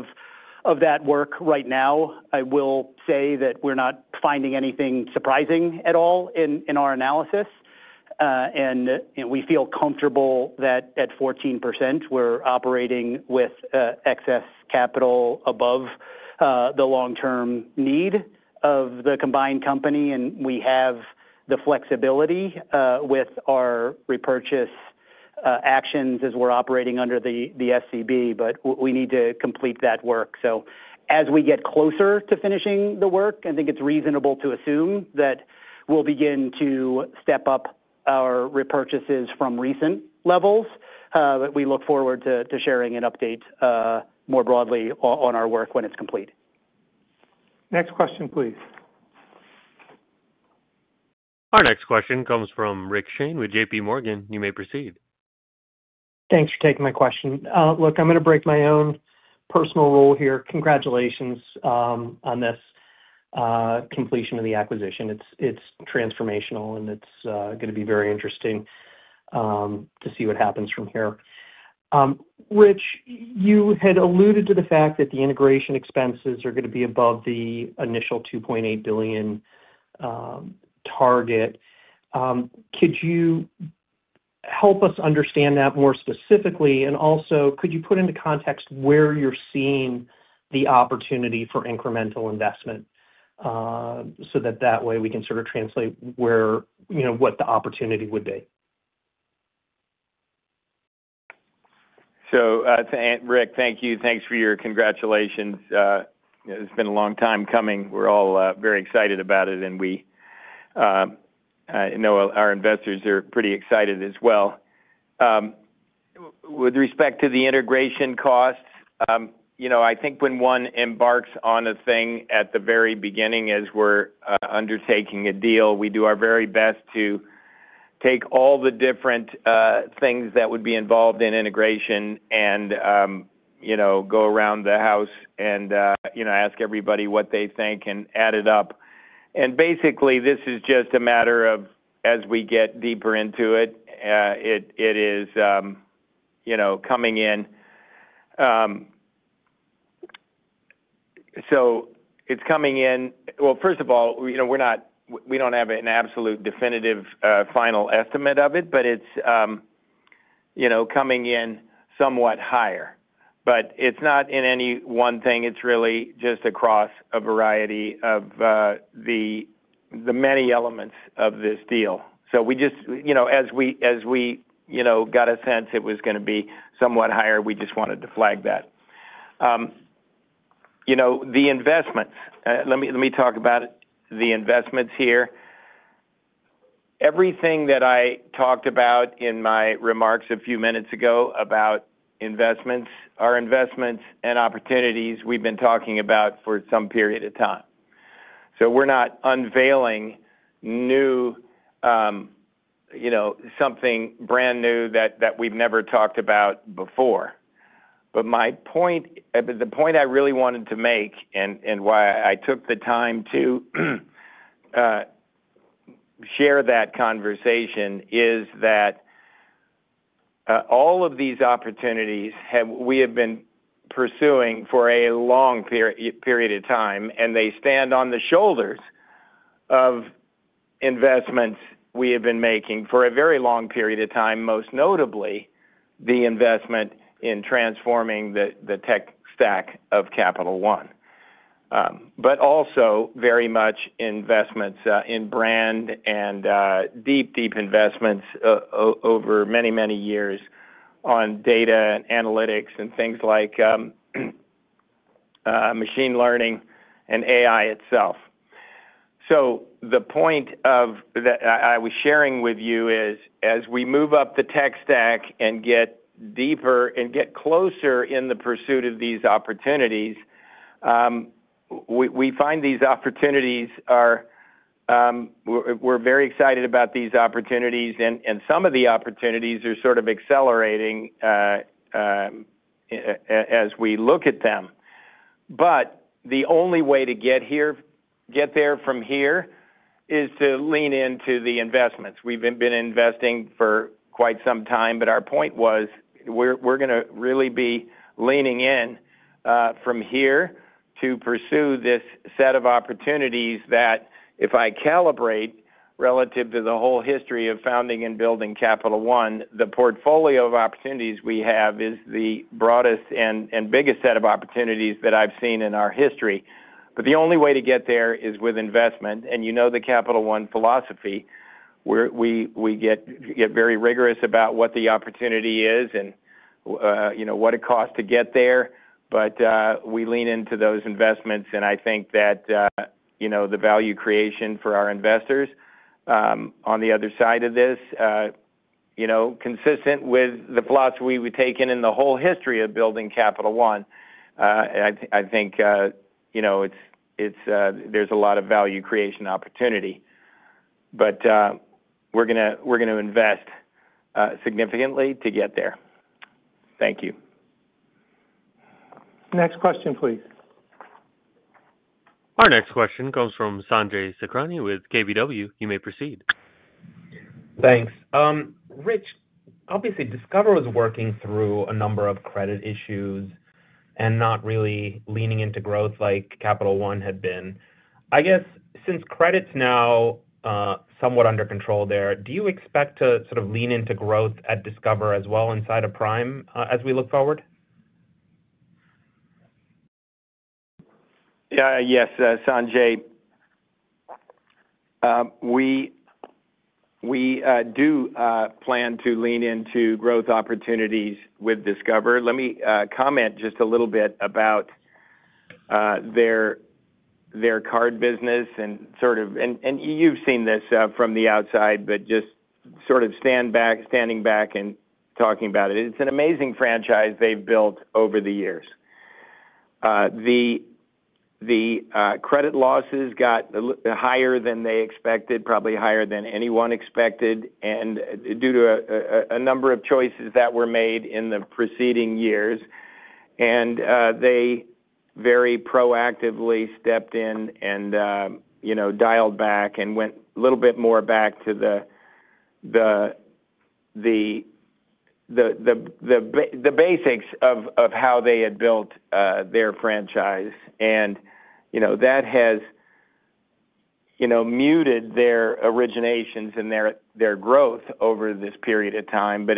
of that work right now. I will say that we're not finding anything surprising at all in our analysis, and we feel comfortable that at 14%, we're operating with excess capital above the long-term need of the combined company. We have the flexibility with our repurchase actions as we're operating under the SCB, but we need to complete that work. As we get closer to finishing the work, I think it's reasonable to assume that we'll begin to step up our repurchases from recent levels. We look forward to sharing an update more broadly on our work when it's complete. Next question, please. Our next question comes from Rick Shane with JPMorgan. You may proceed. Thanks for taking my question. Look, I'm going to break my own personal rule here. Congratulations on this completion of the acquisition. It's transformational, and it's going to be very interesting to see what happens from here. Rich, you had alluded to the fact that the integration expenses are going to be above the initial $2.8 billion target. Could you help us understand that more specifically? And also, could you put into context where you're seeing the opportunity for incremental investment so that that way we can sort of translate what the opportunity would be? To that, Rick, thank you. Thanks for your congratulations. It's been a long time coming. We're all very excited about it, and we know our investors are pretty excited as well. With respect to the integration costs, I think when one embarks on a thing at the very beginning, as we're undertaking a deal, we do our very best to. Take all the different things that would be involved in integration and go around the house and ask everybody what they think and add it up. Basically, this is just a matter of as we get deeper into it. It is coming in. So it's coming in. First of all, we don't have an absolute definitive final estimate of it, but it's coming in somewhat higher. It's not in any one thing. It's really just across a variety of the many elements of this deal. As we got a sense it was going to be somewhat higher, we just wanted to flag that. The investments. Let me talk about the investments here. Everything that I talked about in my remarks a few minutes ago about investments, our investments and opportunities, we've been talking about for some period of time. We're not unveiling new, something brand new that we've never talked about before. The point I really wanted to make and why I took the time to share that conversation is that all of these opportunities we have been pursuing for a long period of time, and they stand on the shoulders of investments we have been making for a very long period of time, most notably the investment in transforming the tech stack of Capital One, but also very much investments in brand and deep, deep investments over many, many years on data and analytics and things like machine learning and AI itself. The point that I was sharing with you is as we move up the tech stack and get deeper and get closer in the pursuit of these opportunities, we find these opportunities are, we're very excited about these opportunities, and some of the opportunities are sort of accelerating as we look at them. The only way to get there from here is to lean into the investments. We've been investing for quite some time, but our point was we're going to really be leaning in from here to pursue this set of opportunities that, if I calibrate relative to the whole history of founding and building Capital One, the portfolio of opportunities we have is the broadest and biggest set of opportunities that I've seen in our history. The only way to get there is with investment. You know the Capital One philosophy. We get very rigorous about what the opportunity is and what it costs to get there. We lean into those investments, and I think that the value creation for our investors on the other side of this, consistent with the philosophy we've taken in the whole history of building Capital One, I think there's a lot of value creation opportunity. We're going to invest significantly to get there. Thank you. Next question, please. Our next question comes from Sanjay Sakhrani with Keefe, Bruyette & Woods. You may proceed. Thanks. Rich, obviously, Discover was working through a number of credit issues and not really leaning into growth like Capital One had been. I guess since credit's now somewhat under control there, do you expect to sort of lean into growth at Discover as well inside of Prime as we look forward? Yeah, yes, Sanjay. We do plan to lean into growth opportunities with Discover. Let me comment just a little bit about their card business and sort of, and you've seen this from the outside, but just sort of standing back and talking about it. It's an amazing franchise they've built over the years. The credit losses got higher than they expected, probably higher than anyone expected, and due to a number of choices that were made in the preceding years, and they very proactively stepped in and dialed back and went a little bit more back to the basics of how they had built their franchise. That has muted their originations and their growth over this period of time, but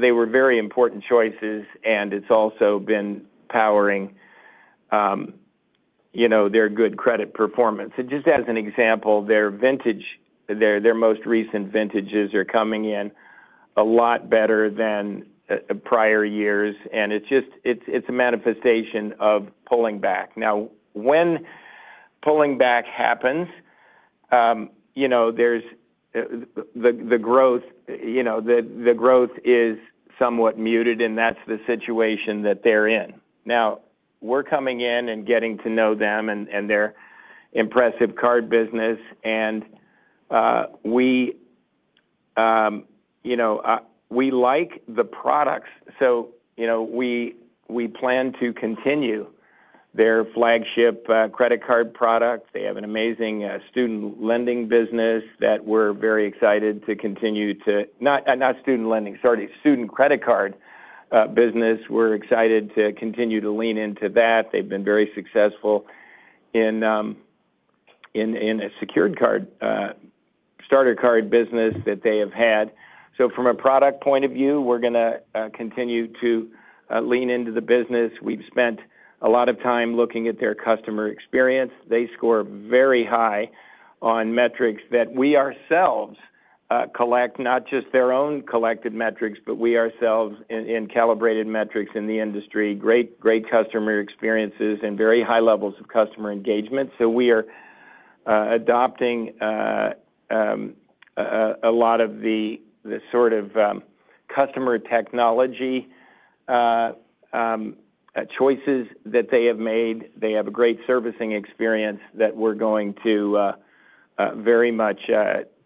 they were very important choices, and it's also been powering their good credit performance. Just as an example, their most recent vintages are coming in a lot better than prior years, and it's a manifestation of pulling back. Now, when pulling back happens, the growth is somewhat muted, and that's the situation that they're in. Now, we're coming in and getting to know them and their impressive card business. We like the products, so we plan to continue their flagship credit card product. They have an amazing student lending business that we're very excited to continue to—not student lending, sorry—student credit card business. We're excited to continue to lean into that. They've been very successful in a secured card, starter card business that they have had. From a product point of view, we're going to continue to lean into the business. We've spent a lot of time looking at their customer experience. They score very high on metrics that we ourselves collect, not just their own collected metrics, but we ourselves in calibrated metrics in the industry. Great customer experiences and very high levels of customer engagement. We are adopting a lot of the sort of customer technology choices that they have made. They have a great servicing experience that we're going to very much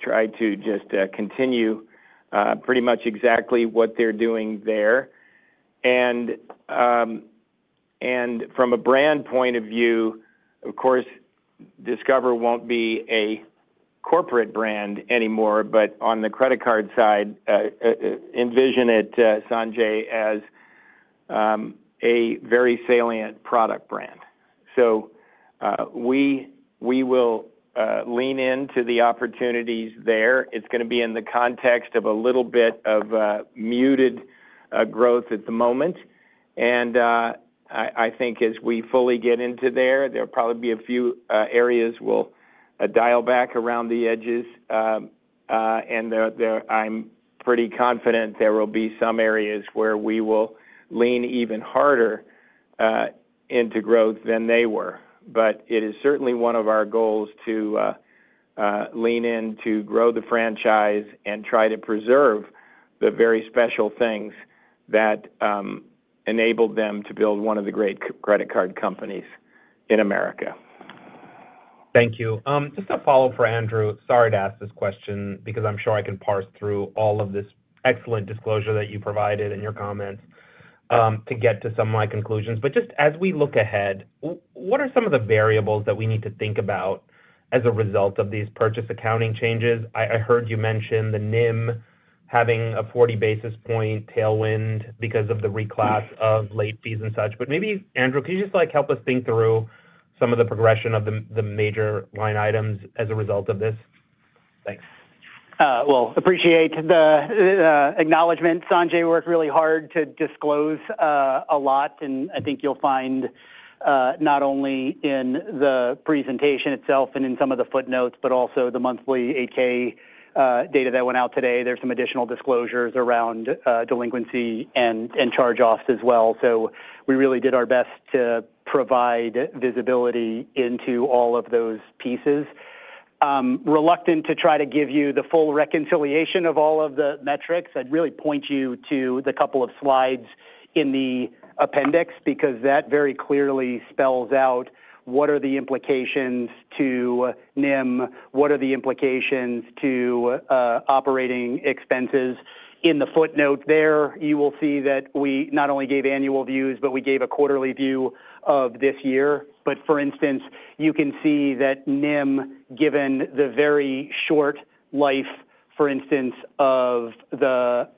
try to just continue pretty much exactly what they're doing there. From a brand point of view, of course, Discover won't be a corporate brand anymore, but on the credit card side, envision it, Sanjay, as a very salient product brand. We will lean into the opportunities there. It's going to be in the context of a little bit of muted growth at the moment. I think as we fully get into there, there'll probably be a few areas we'll dial back around the edges. I'm pretty confident there will be some areas where we will lean even harder into growth than they were. But it is certainly one of our goals to lean in to grow the franchise and try to preserve the very special things that enabled them to build one of the great credit card companies in America. Thank you. Just a follow-up for Andrew. Sorry to ask this question because I'm sure I can parse through all of this excellent disclosure that you provided and your comments to get to some of my conclusions. Just as we look ahead, what are some of the variables that we need to think about as a result of these purchase accounting changes? I heard you mention the NIM having a 40 basis point tailwind because of the reclass of late fees and such. Maybe, Andrew, could you just help us think through some of the progression of the major line items as a result of this? Thanks. I appreciate the acknowledgment. Sanjay worked really hard to disclose a lot, and I think you'll find not only in the presentation itself and in some of the footnotes, but also the monthly 8-K data that went out today, there's some additional disclosures around delinquency and charge-offs as well. We really did our best to provide visibility into all of those pieces. Reluctant to try to give you the full reconciliation of all of the metrics, I'd really point you to the couple of slides in the appendix because that very clearly spells out what are the implications to NIM, what are the implications to operating expenses. In the footnote there, you will see that we not only gave annual views, but we gave a quarterly view of this year. For instance, you can see that NIM, given the very short life, for instance, of the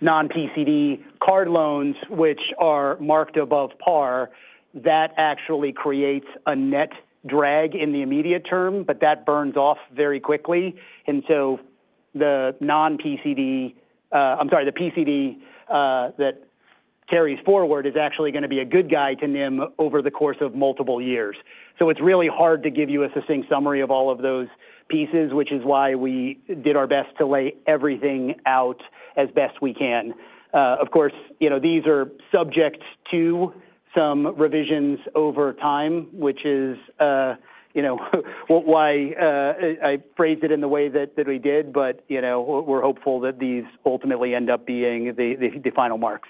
non-PCD card loans, which are marked above par, that actually creates a net drag in the immediate term, but that burns off very quickly. The non-PCD—I'm sorry, the PCD that carries forward is actually going to be a good guy to NIM over the course of multiple years. It's really hard to give you a succinct summary of all of those pieces, which is why we did our best to lay everything out as best we can. Of course, these are subject to some revisions over time, which is why I phrased it in the way that we did, but we're hopeful that these ultimately end up being the final marks.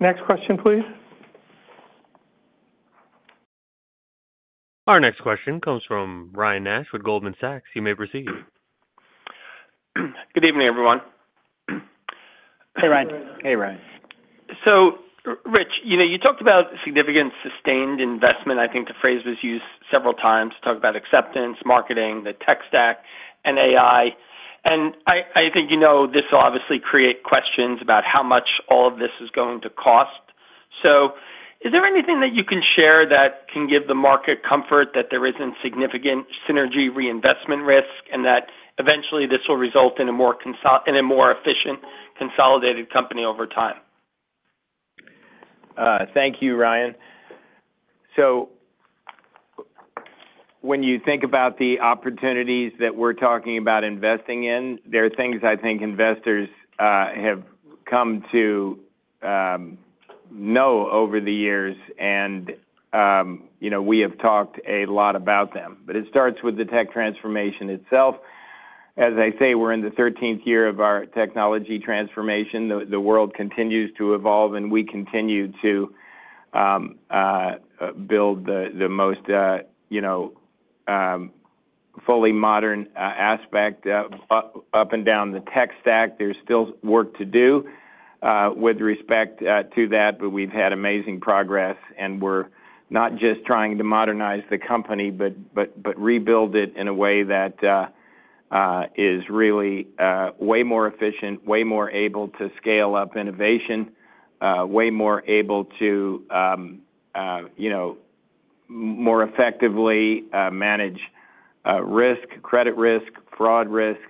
Next question, please. Our next question comes from Ryan Nash with Goldman Sachs. You may proceed. Good evening, everyone. Hey, Ryan. Hey, Ryan. Rich, you talked about significant sustained investment. I think the phrase was used several times to talk about acceptance, marketing, the tech stack, and AI. I think you know this will obviously create questions about how much all of this is going to cost. Is there anything that you can share that can give the market comfort that there is not significant synergy reinvestment risk and that eventually this will result in a more efficient consolidated company over time? Thank you, Ryan. When you think about the opportunities that we are talking about investing in, there are things I think investors have come to know over the years. We have talked a lot about them. It starts with the tech transformation itself. As I say, we are in the 13th year of our technology transformation. The world continues to evolve, and we continue to build the most fully modern aspect up and down the tech stack. There is still work to do with respect to that, but we have had amazing progress, and we are not just trying to modernize the company, but rebuild it in a way that is really way more efficient, way more able to scale up innovation, way more able to more effectively manage risk, credit risk, fraud risk,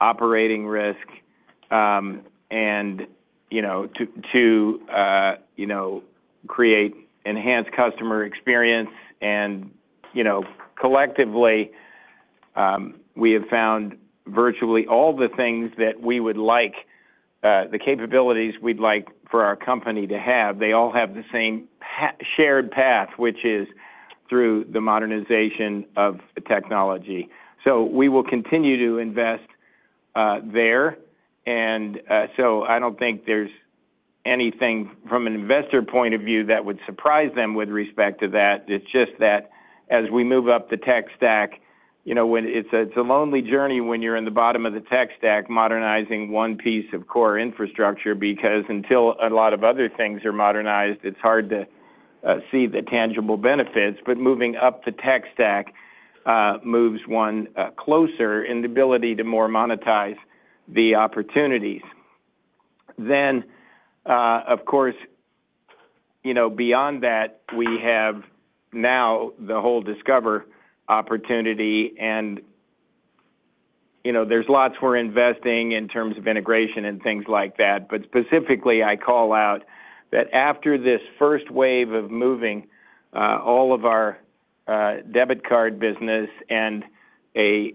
operating risk. To create enhanced customer experience. Collectively, we have found virtually all the things that we would like, the capabilities we would like for our company to have, they all have the same shared path, which is through the modernization of technology. We will continue to invest there. I do not think there is anything from an investor point of view that would surprise them with respect to that. It is just that as we move up the tech stack, it is a lonely journey when you are in the bottom of the tech stack modernizing one piece of core infrastructure because until a lot of other things are modernized, it is hard to see the tangible benefits. Moving up the tech stack moves one closer in the ability to more monetize the opportunities. Of course, beyond that, we have now the whole Discover opportunity. There is lots we are investing in terms of integration and things like that. Specifically, I call out that after this first wave of moving all of our debit card business and a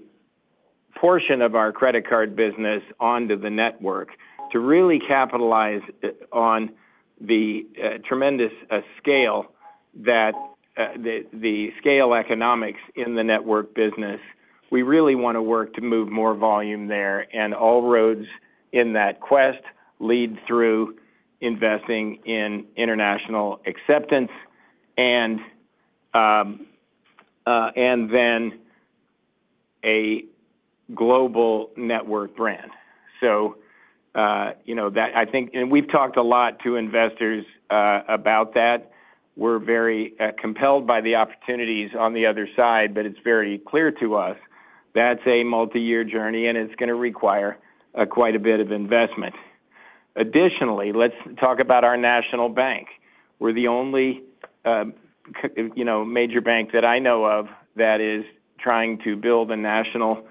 portion of our credit card business onto the network to really capitalize on the tremendous scale, the scale economics in the network business, we really want to work to move more volume there. All roads in that quest lead through investing in international acceptance and then a global network brand. I think we have talked a lot to investors about that. We are very compelled by the opportunities on the other side, but it is very clear to us that is a multi-year journey, and it is going to require quite a bit of investment. Additionally, let us talk about our national bank. We are the only major bank that I know of that is trying to build a national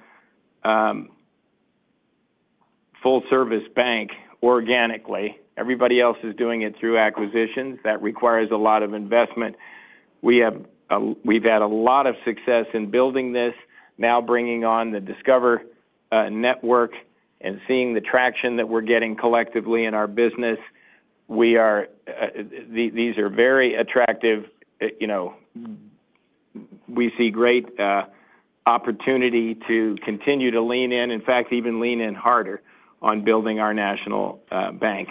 full-service bank organically. Everybody else is doing it through acquisitions. That requires a lot of investment. We have had a lot of success in building this, now bringing on the Discover. Network and seeing the traction that we're getting collectively in our business. These are very attractive. We see great opportunity to continue to lean in, in fact, even lean in harder on building our national bank.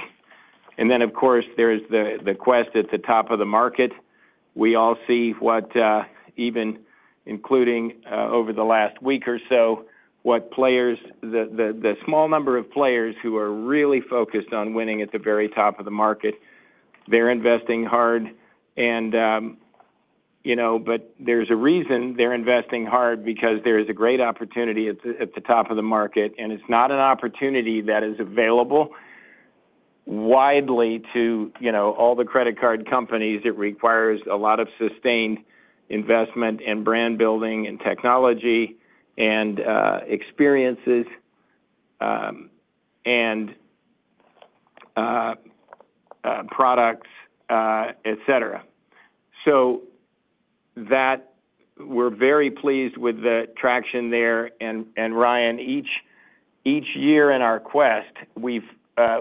Of course, there's the quest at the top of the market. We all see what, even including over the last week or so, what the small number of players who are really focused on winning at the very top of the market. They're investing hard. There's a reason they're investing hard because there is a great opportunity at the top of the market, and it's not an opportunity that is available widely to all the credit card companies. It requires a lot of sustained investment and brand building and technology and experiences and products, etc. We are very pleased with the traction there. Ryan, each year in our quest,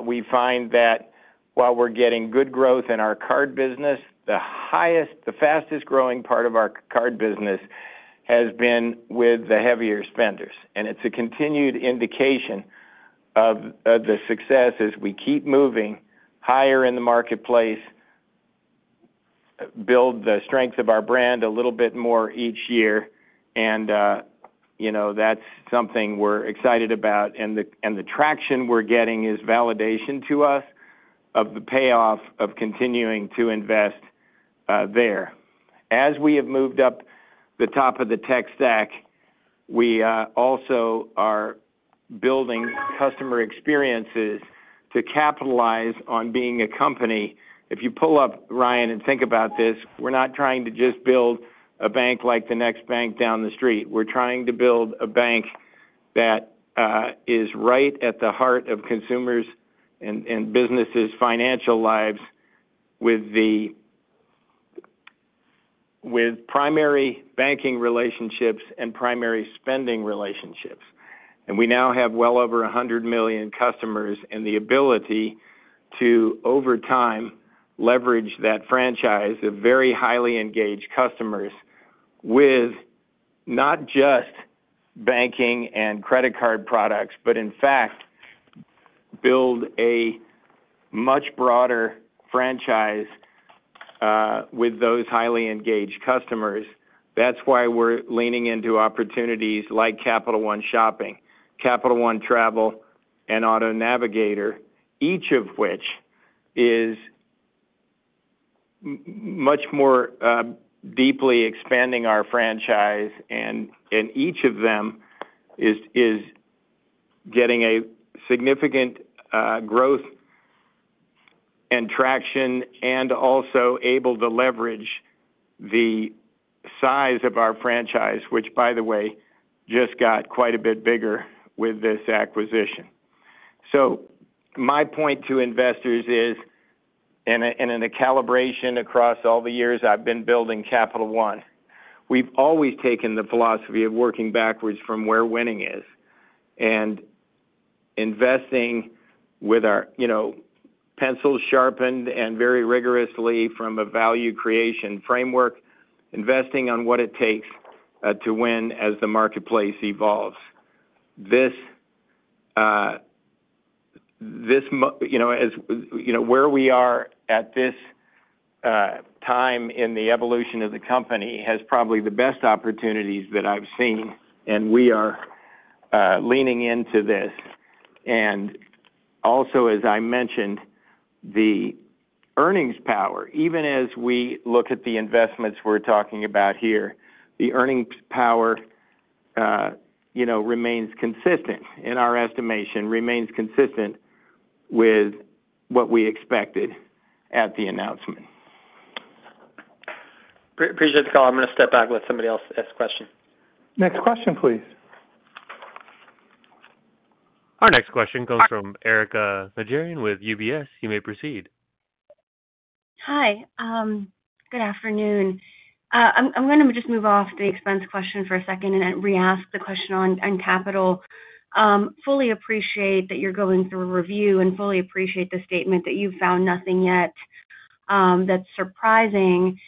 we find that while we're getting good growth in our card business, the fastest growing part of our card business has been with the heavier spenders. It's a continued indication of the success as we keep moving higher in the marketplace, build the strength of our brand a little bit more each year. That's something we're excited about, and the traction we're getting is validation to us of the payoff of continuing to invest there. As we have moved up the top of the tech stack, we also are building customer experiences to capitalize on being a company. If you pull up, Ryan, and think about this, we're not trying to just build a bank like the next bank down the street. We're trying to build a bank that is right at the heart of consumers' and businesses' financial lives with primary banking relationships and primary spending relationships. We now have well over 100 million customers and the ability to, over time, leverage that franchise of very highly engaged customers with not just banking and credit card products, but in fact build a much broader franchise with those highly engaged customers. That's why we're leaning into opportunities like Capital One Shopping, Capital One Travel, and Auto Navigator, each of which is much more deeply expanding our franchise. Each of them is getting significant growth and traction and also able to leverage the size of our franchise, which, by the way, just got quite a bit bigger with this acquisition. My point to investors is, and in the calibration across all the years I've been building Capital One, we've always taken the philosophy of working backwards from where winning is and investing with our pencils sharpened and very rigorously from a value creation framework, investing on what it takes to win as the marketplace evolves. Where we are at this time in the evolution of the company has probably the best opportunities that I've seen, and we are leaning into this. Also, as I mentioned, the. Earnings power, even as we look at the investments we're talking about here, the earnings power remains consistent in our estimation, remains consistent with what we expected at the announcement. Appreciate the call. I'm going to step back and let somebody else ask a question. Next question, please. Our next question comes from Erika Najarian with UBS. You may proceed. Hi. Good afternoon. I'm going to just move off the expense question for a second and re-ask the question on capital. Fully appreciate that you're going through a review and fully appreciate the statement that you've found nothing yet that's surprising.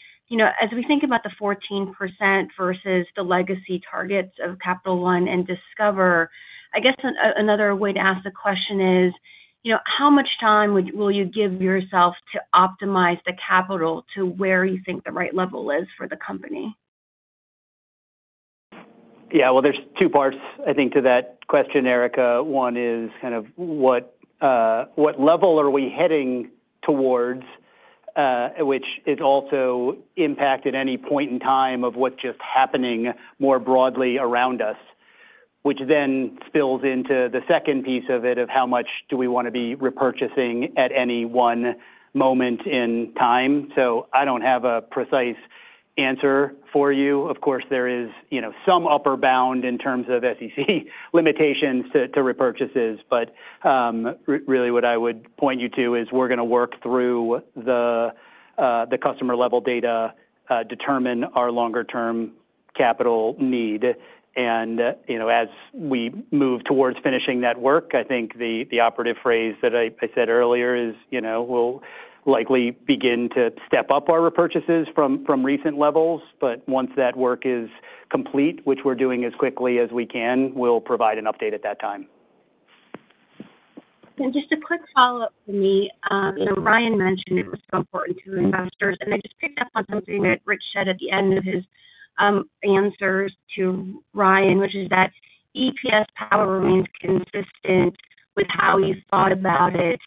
As we think about the 14% versus the legacy targets of Capital One and Discover, I guess another way to ask the question is, how much time will you give yourself to optimize the capital to where you think the right level is for the company? Yeah. There are two parts, I think, to that question, Erika. One is kind of what level are we heading towards, which is also impact at any point in time of what's just happening more broadly around us, which then spills into the second piece of it of how much do we want to be repurchasing at any one moment in time. I don't have a precise answer for you. Of course, there is some upper bound in terms of SEC limitations to repurchases. Really, what I would point you to is we're going to work through the customer-level data, determine our longer-term capital need. As we move towards finishing that work, I think the operative phrase that I said earlier is we'll likely begin to step up our repurchases from recent levels. Once that work is complete, which we're doing as quickly as we can, we'll provide an update at that time. Just a quick follow-up for me. Ryan mentioned it was so important to investors. I just picked up on something that Rich said at the end of his answers to Ryan, which is that EPS power remains consistent with how you thought about it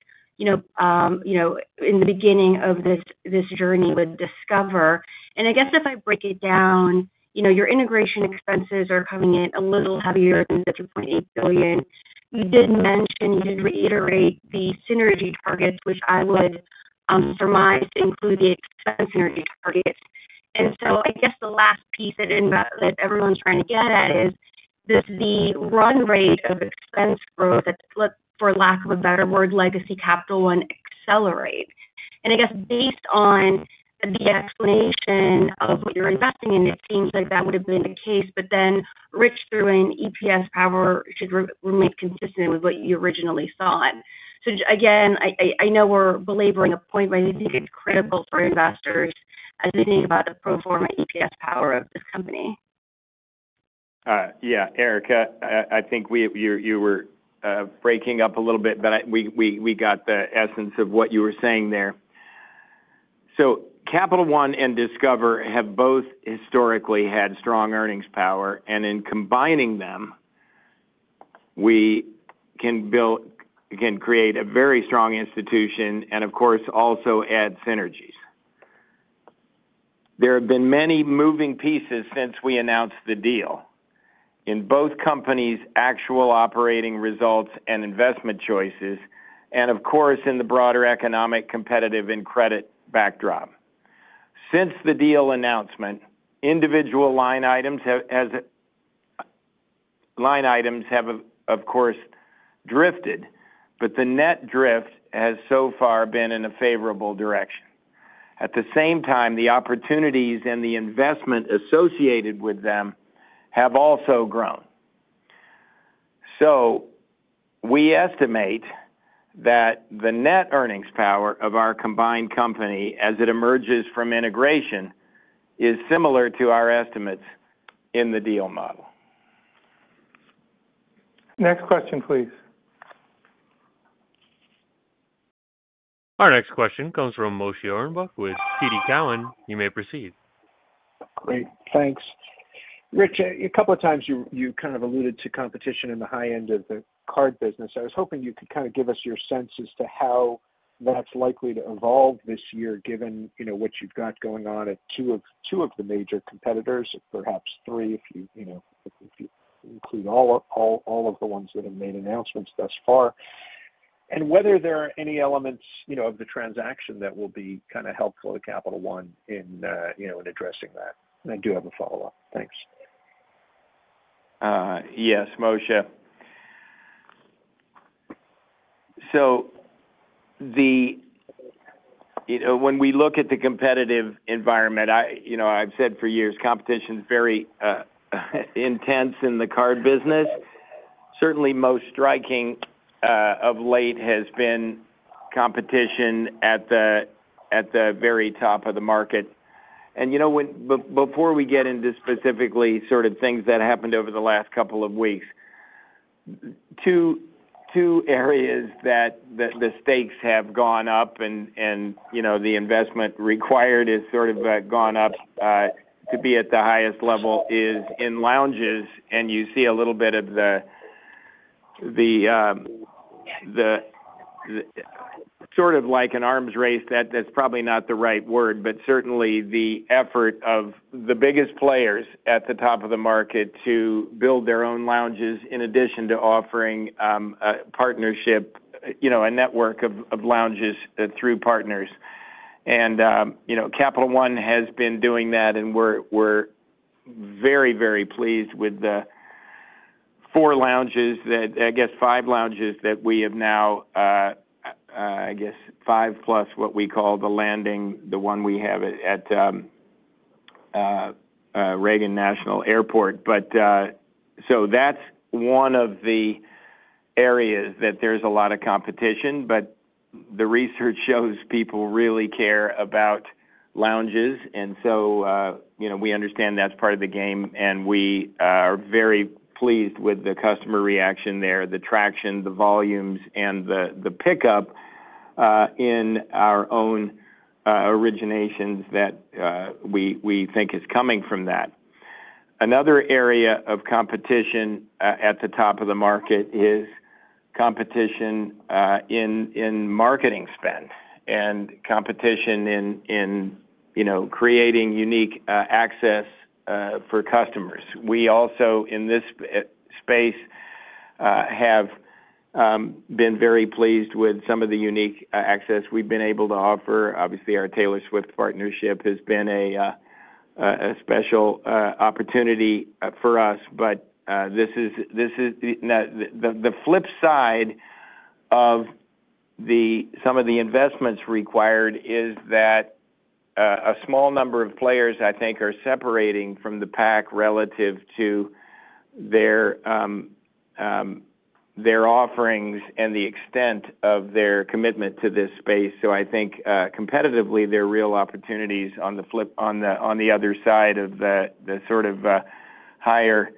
in the beginning of this journey with Discover. I guess if I break it down, your integration expenses are coming in a little heavier than the $3.8 billion. You did mention, you did reiterate the synergy targets, which I would surmise to include the expense synergy targets. I guess the last piece that everyone's trying to get at is the run rate of expense growth, for lack of a better word, legacy Capital One accelerate. I guess based on the explanation of what you're investing in, it seems like that would have been the case. Then Rich threw in EPS power should remain consistent with what you originally saw. Again, I know we're belaboring a point, but I think it's critical for investors as they think about the pro forma EPS power of this company. Yeah. Erika, I think you were breaking up a little bit, but we got the essence of what you were saying there. Capital One and Discover have both historically had strong earnings power. In combining them, we can create a very strong institution and, of course, also add synergies. There have been many moving pieces since we announced the deal. In both companies, actual operating results and investment choices, and, of course, in the broader economic, competitive, and credit backdrop since the deal announcement. Individual line items have, of course, drifted, but the net drift has so far been in a favorable direction. At the same time, the opportunities and the investment associated with them have also grown. We estimate that the net earnings power of our combined company as it emerges from integration is similar to our estimates in the deal model. Next question, please. Our next question comes from Moshe Orenbuch with TD Cowen. You may proceed. Great. Thanks. Rich, a couple of times you kind of alluded to competition in the high end of the card business. I was hoping you could kind of give us your sense as to how that's likely to evolve this year given what you've got going on at two of the major competitors, perhaps three if you include all of the ones that have made announcements thus far, and whether there are any elements of the transaction that will be kind of helpful to Capital One in addressing that. I do have a follow-up. Thanks. Yes, Moshe. When we look at the competitive environment, I've said for years competition is very intense in the card business. Certainly, most striking of late has been competition at the very top of the market. Before we get into specifically sort of things that happened over the last couple of weeks, two areas that the stakes have gone up and the investment required has sort of gone up to be at the highest level is in lounges, and you see a little bit of the sort of like an arms race. That's probably not the right word, but certainly the effort of the biggest players at the top of the market to build their own lounges in addition to offering a partnership, a network of lounges through partners. Capital One has been doing that, and we're very, very pleased with the four lounges, I guess five lounges that we have now. I guess five plus what we call the Landing, the one we have at Reagan National Airport. That's one of the areas that there's a lot of competition, but the research shows people really care about lounges. We understand that's part of the game, and we are very pleased with the customer reaction there, the traction, the volumes, and the pickup in our own originations that we think is coming from that. Another area of competition at the top of the market is competition. In marketing spend and competition in creating unique access for customers. We also, in this space, have been very pleased with some of the unique access we've been able to offer. Obviously, our Taylor Swift partnership has been a special opportunity for us, but this is the flip side of some of the investments required, is that a small number of players, I think, are separating from the pack relative to their offerings and the extent of their commitment to this space. I think competitively there are real opportunities on the other side of the sort of higher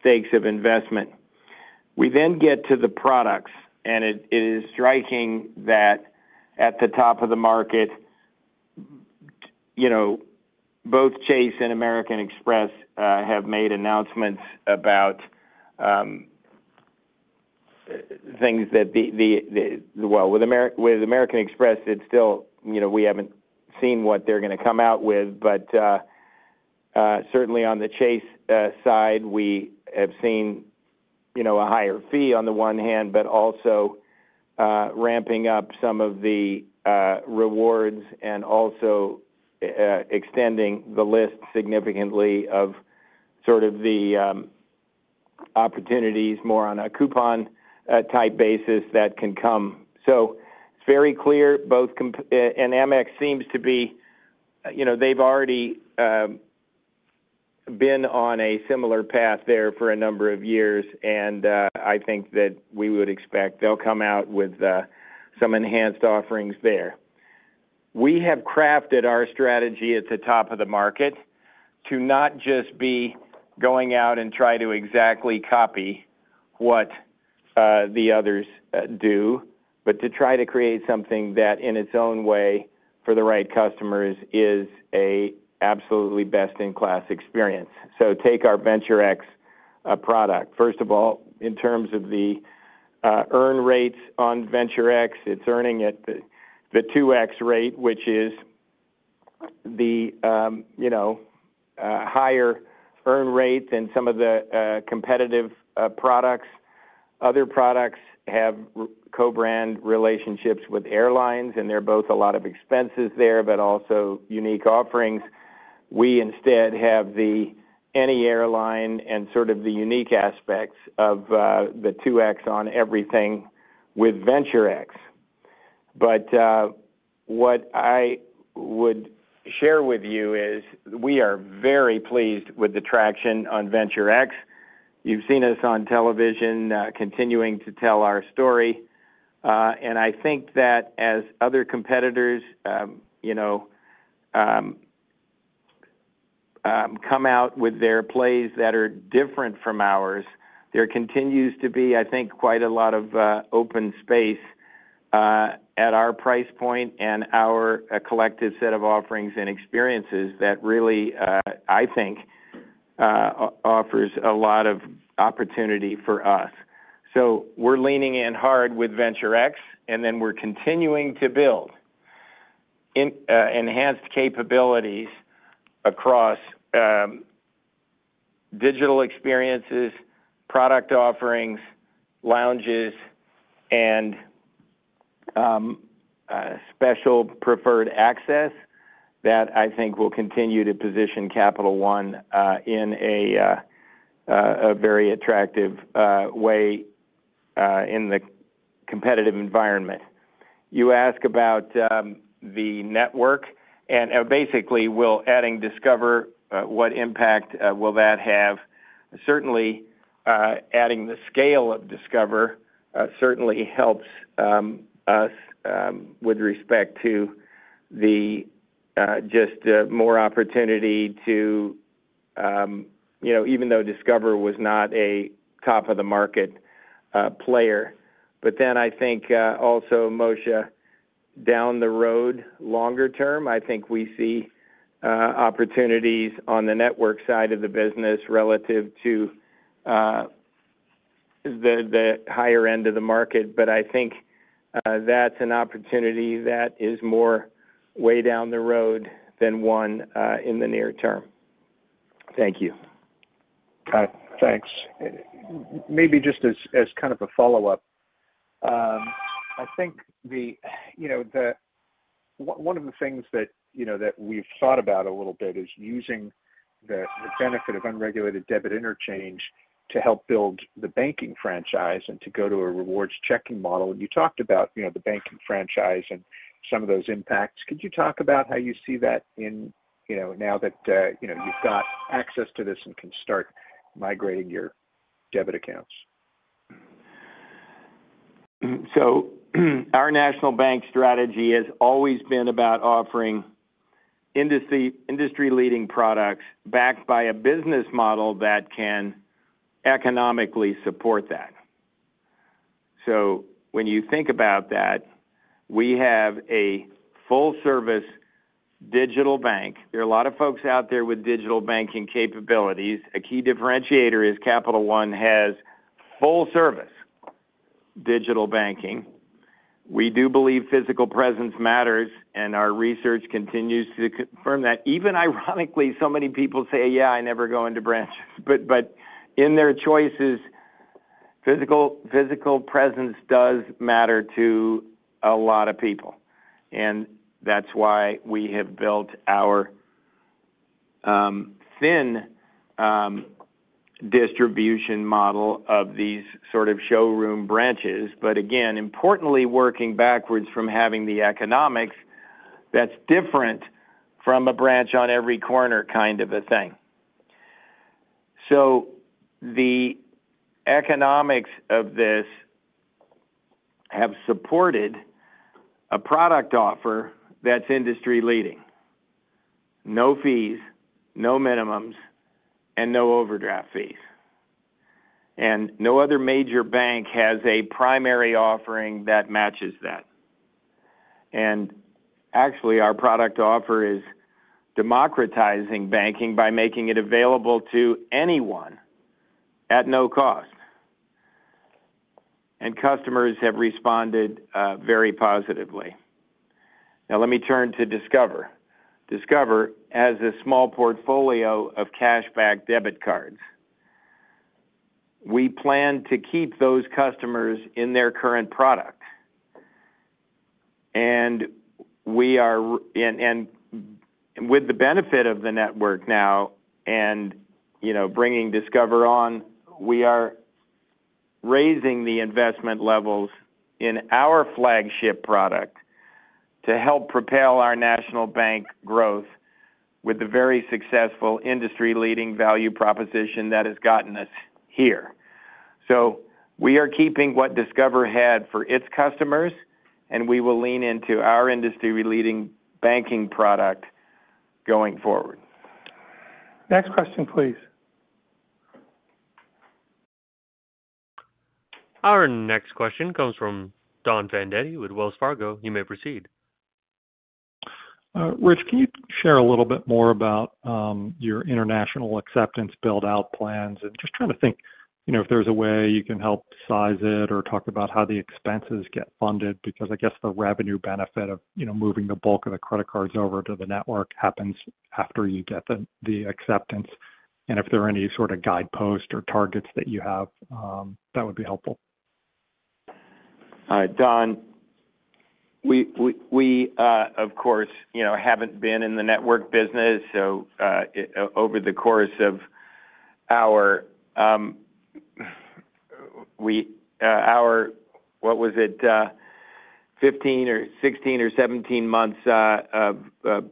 stakes of investment. We then get to the products, and it is striking that at the top of the market, both Chase and American Express have made announcements about things that, well, with American Express, it's still we haven't seen what they're going to come out with. Certainly on the Chase side, we have seen a higher fee on the one hand, but also ramping up some of the rewards and also extending the list significantly of sort of the opportunities more on a coupon-type basis that can come. It's very clear, and Amex seems to be, they've already been on a similar path there for a number of years, and I think that we would expect they'll come out with some enhanced offerings there. We have crafted our strategy at the top of the market to not just be going out and try to exactly copy what the others do, but to try to create something that in its own way for the right customers is an absolutely best-in-class experience. Take our Venture X product. First of all, in terms of the earn rates on Venture X, it's earning at the 2X rate, which is the higher earn rate than some of the competitive products. Other products have co-brand relationships with airlines, and there are both a lot of expenses there, but also unique offerings. We instead have the any airline and sort of the unique aspects of the 2X on everything with Venture X. What I would share with you is we are very pleased with the traction on Venture X. You've seen us on television continuing to tell our story. I think that as other competitors come out with their plays that are different from ours, there continues to be, I think, quite a lot of open space at our price point and our collective set of offerings and experiences that really, I think, offers a lot of opportunity for us. We're leaning in hard with Venture X, and then we're continuing to build enhanced capabilities across digital experiences, product offerings, lounges, and special preferred access that I think will continue to position Capital One in a very attractive way in the competitive environment. You ask about the network, and basically, adding Discover, what impact will that have? Certainly, adding the scale of Discover certainly helps us with respect to the. Just more opportunity to. Even though Discover was not a top-of-the-market player. But then I think also, Moshe, down the road, longer term, I think we see opportunities on the network side of the business relative to the higher end of the market. But I think that is an opportunity that is more way down the road than one in the near term. Thank you. Got it. Thanks. Maybe just as kind of a follow-up. I think one of the things that we've thought about a little bit is using the benefit of unregulated debit interchange to help build the banking franchise and to go to a rewards checking model. And you talked about the banking franchise and some of those impacts. Could you talk about how you see that now that you've got access to this and can start migrating your debit accounts? Our national bank strategy has always been about offering industry-leading products backed by a business model that can economically support that. When you think about that, we have a full-service digital bank. There are a lot of folks out there with digital banking capabilities. A key differentiator is Capital One has full-service digital banking. We do believe physical presence matters, and our research continues to confirm that. Even ironically, so many people say, "Yeah, I never go into branches." In their choices, physical presence does matter to a lot of people. That is why we have built our thin distribution model of these sort of showroom branches. Again, importantly, working backwards from having the economics, that is different from a branch on every corner kind of a thing. The economics of this have supported a product offer that is industry-leading. No fees, no minimums, and no overdraft fees. No other major bank has a primary offering that matches that. Actually, our product offer is democratizing banking by making it available to anyone at no cost. Customers have responded very positively. Now, let me turn to Discover. Discover has a small portfolio of cashback debit cards. We plan to keep those customers in their current product. With the benefit of the network now and bringing Discover on, we are raising the investment levels in our flagship product to help propel our national bank growth with the very successful industry-leading value proposition that has gotten us here. We are keeping what Discover had for its customers, and we will lean into our industry-leading banking product going forward. Next question, please. Our next question comes from Don Fandetti with Wells Fargo. You may proceed. Rich, can you share a little bit more about your international acceptance build-out plans? Just trying to think if there is a way you can help size it or talk about how the expenses get funded because I guess the revenue benefit of moving the bulk of the credit cards over to the network happens after you get the acceptance. If there are any sort of guideposts or targets that you have, that would be helpful. Don. We, of course, have not been in the network business. Over the course of our, what was it, 15 or 16 or 17 months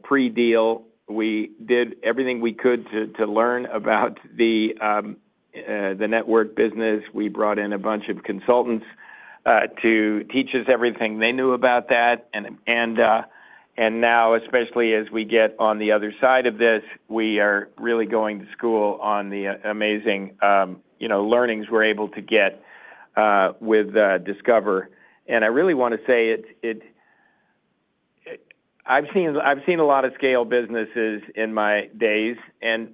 pre-deal, we did everything we could to learn about the network business. We brought in a bunch of consultants to teach us everything they knew about that. Especially as we get on the other side of this, we are really going to school on the amazing learnings we are able to get with Discover. I really want to say, I have seen a lot of scale businesses in my days, and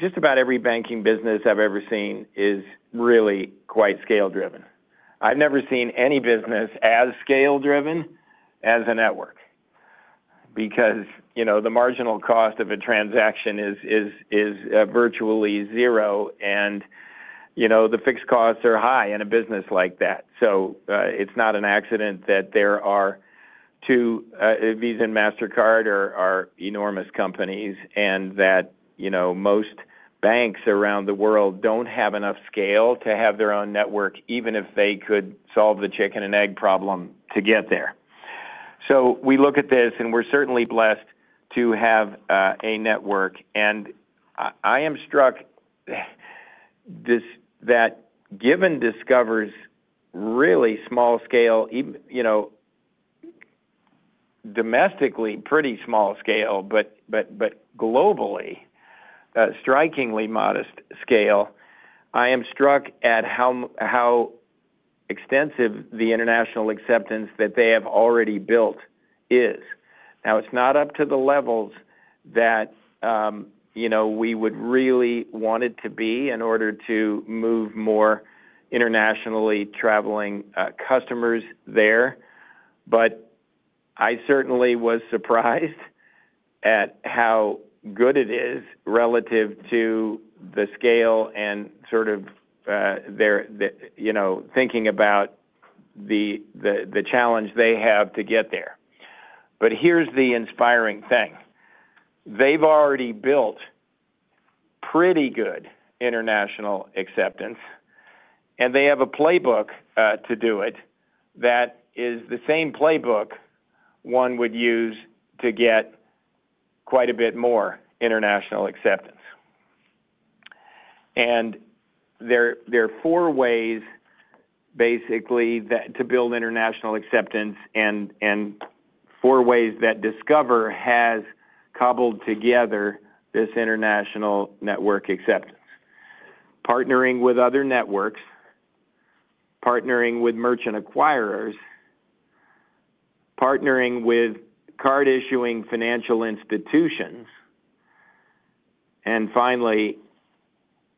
just about every banking business I have ever seen is really quite scale-driven. I have never seen any business as scale-driven as a network, because the marginal cost of a transaction is virtually zero, and the fixed costs are high in a business like that. It is not an accident that there are two—Visa and Mastercard are enormous companies—and that most banks around the world do not have enough scale to have their own network, even if they could solve the chicken-and-egg problem to get there. We look at this, and we are certainly blessed to have a network. I am struck that given Discover's really small scale—domestically pretty small scale, but globally strikingly modest scale—I am struck at how extensive the international acceptance that they have already built is. It is not up to the levels that we would really want it to be in order to move more internationally traveling customers there. I certainly was surprised at how good it is relative to the scale and sort of thinking about the challenge they have to get there. Here is the inspiring thing: they have already built pretty good international acceptance, and they have a playbook to do it that is the same playbook one would use to get quite a bit more international acceptance. There are four ways, basically, to build international acceptance and four ways that Discover has cobbled together this international network acceptance: partnering with other networks, partnering with merchant acquirers, partnering with card-issuing financial institutions, and finally,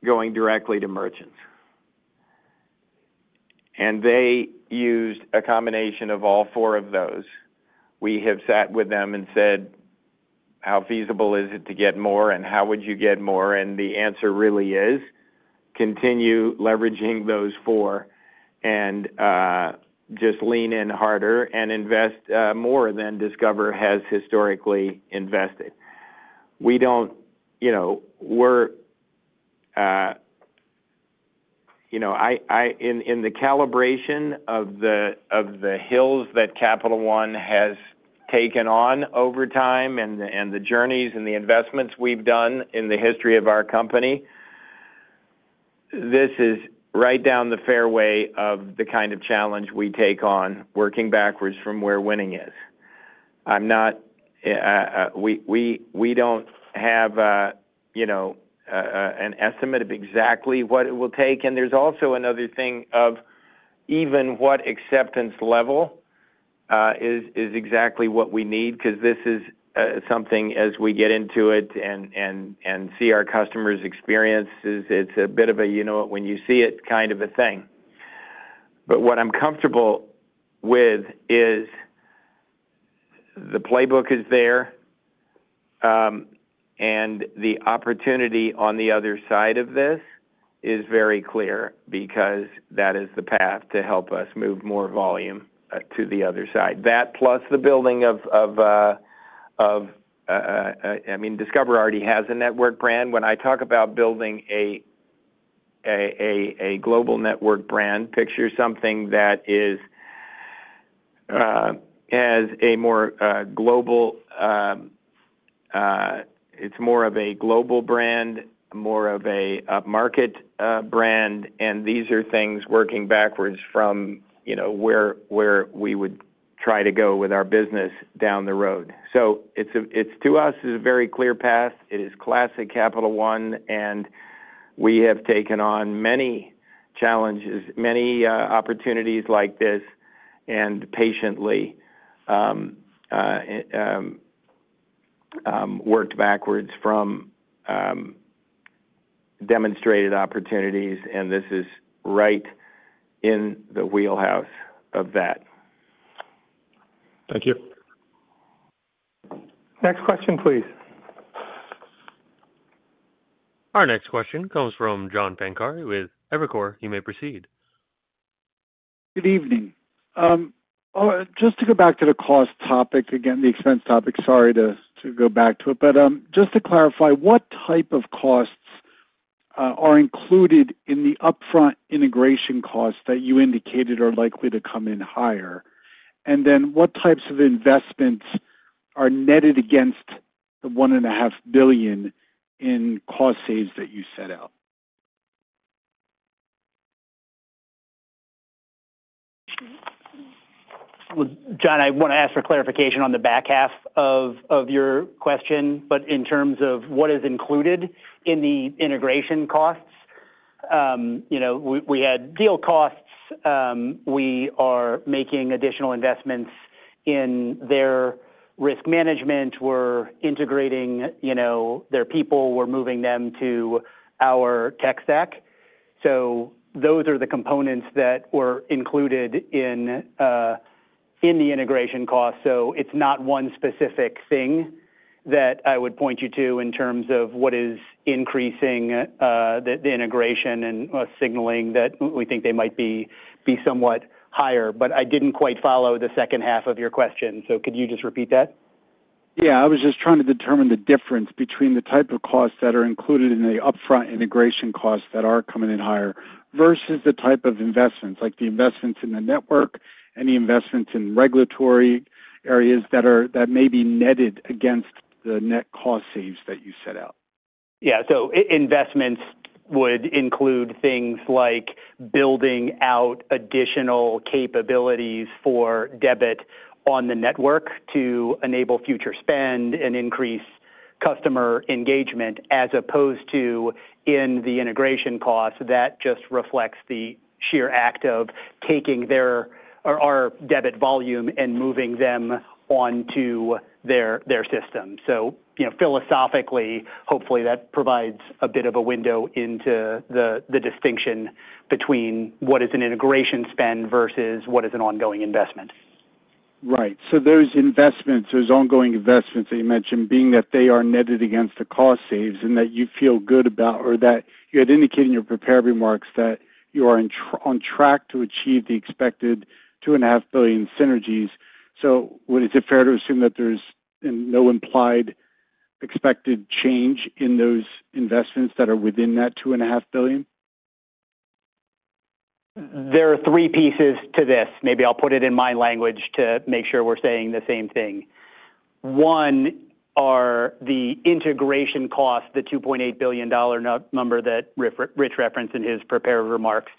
going directly to merchants. They used a combination of all four of those. We have sat with them and said, "How feasible is it to get more, and how would you get more?" The answer really is, "Continue leveraging those four and just lean in harder and invest more than Discover has historically invested." We are, in the calibration of the hills that Capital One has taken on over time and the journeys and the investments we have done in the history of our company, this is right down the fairway of the kind of challenge we take on working backwards from where winning is. I am not—we do not have an estimate of exactly what it will take. There is also another thing of even what acceptance level. Is exactly what we need because this is something as we get into it and see our customers' experiences, it's a bit of a, "You know what? When you see it," kind of a thing. What I'm comfortable with is the playbook is there. The opportunity on the other side of this is very clear because that is the path to help us move more volume to the other side. That plus the building of, I mean, Discover already has a network brand. When I talk about building a global network brand, picture something that has a more global, it's more of a global brand, more of a market brand. These are things working backwards from where we would try to go with our business down the road. To us, it's a very clear path. It is classic Capital One. We have taken on many challenges, many opportunities like this, and patiently worked backwards from demonstrated opportunities. This is right in the wheelhouse of that. Thank you. Next question, please. Our next question comes from John Pancari with Evercore. You may proceed. Good evening. Just to go back to the cost topic again, the expense topic, sorry to go back to it. Just to clarify, what type of costs are included in the upfront integration costs that you indicated are likely to come in higher? What types of investments are netted against the $1.5 billion in cost savings that you set out? John, I want to ask for clarification on the back half of your question. In terms of what is included in the integration costs, we had deal costs. We are making additional investments in their risk management. We're integrating their people. We're moving them to our tech stack. Those are the components that were included in the integration costs. It's not one specific thing that I would point you to in terms of what is increasing the integration and signaling that we think they might be somewhat higher. I didn't quite follow the second half of your question. Could you just repeat that? Yeah. I was just trying to determine the difference between the type of costs that are included in the upfront integration costs that are coming in higher versus the type of investments, like the investments in the network and the investments in regulatory areas that may be netted against the net cost savings that you set out. Yeah. Investments would include things like building out additional capabilities for debit on the network to enable future spend and increase customer engagement, as opposed to in the integration costs that just reflects the sheer act of taking our debit volume and moving them onto their system. Philosophically, hopefully, that provides a bit of a window into the distinction between what is an integration spend versus what is an ongoing investment. Right. There's investments, there's ongoing investments that you mentioned, being that they are netted against the cost savings and that you feel good about, or that you had indicated in your prepared remarks that you are on track to achieve the expected $2.5 billion synergies. Is it fair to assume that there's no implied expected change in those investments that are within that $2.5 billion? There are three pieces to this. Maybe I'll put it in my language to make sure we're saying the same thing. One are the integration costs, the $2.8 billion number that Rich referenced in his prepared remarks.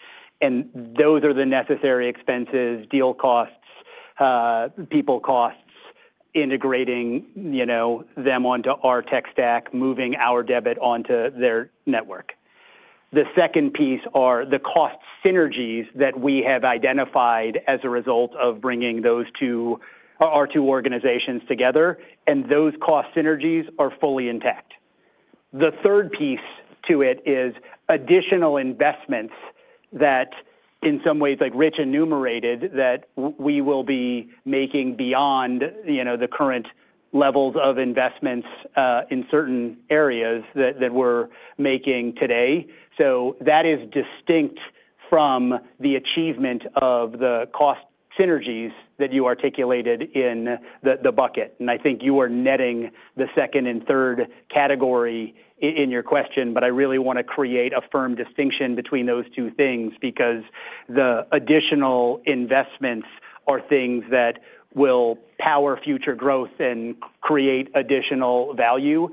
Those are the necessary expenses, deal costs, people costs, integrating them onto our tech stack, moving our debit onto their network. The second piece are the cost synergies that we have identified as a result of bringing our two organizations together. Those cost synergies are fully intact. The third piece to it is additional investments that, in some ways, like Rich enumerated, we will be making beyond the current levels of investments in certain areas that we're making today. That is distinct from the achievement of the cost synergies that you articulated in the bucket. I think you are netting the second and third category in your question. I really want to create a firm distinction between those two things because the additional investments are things that will power future growth and create additional value.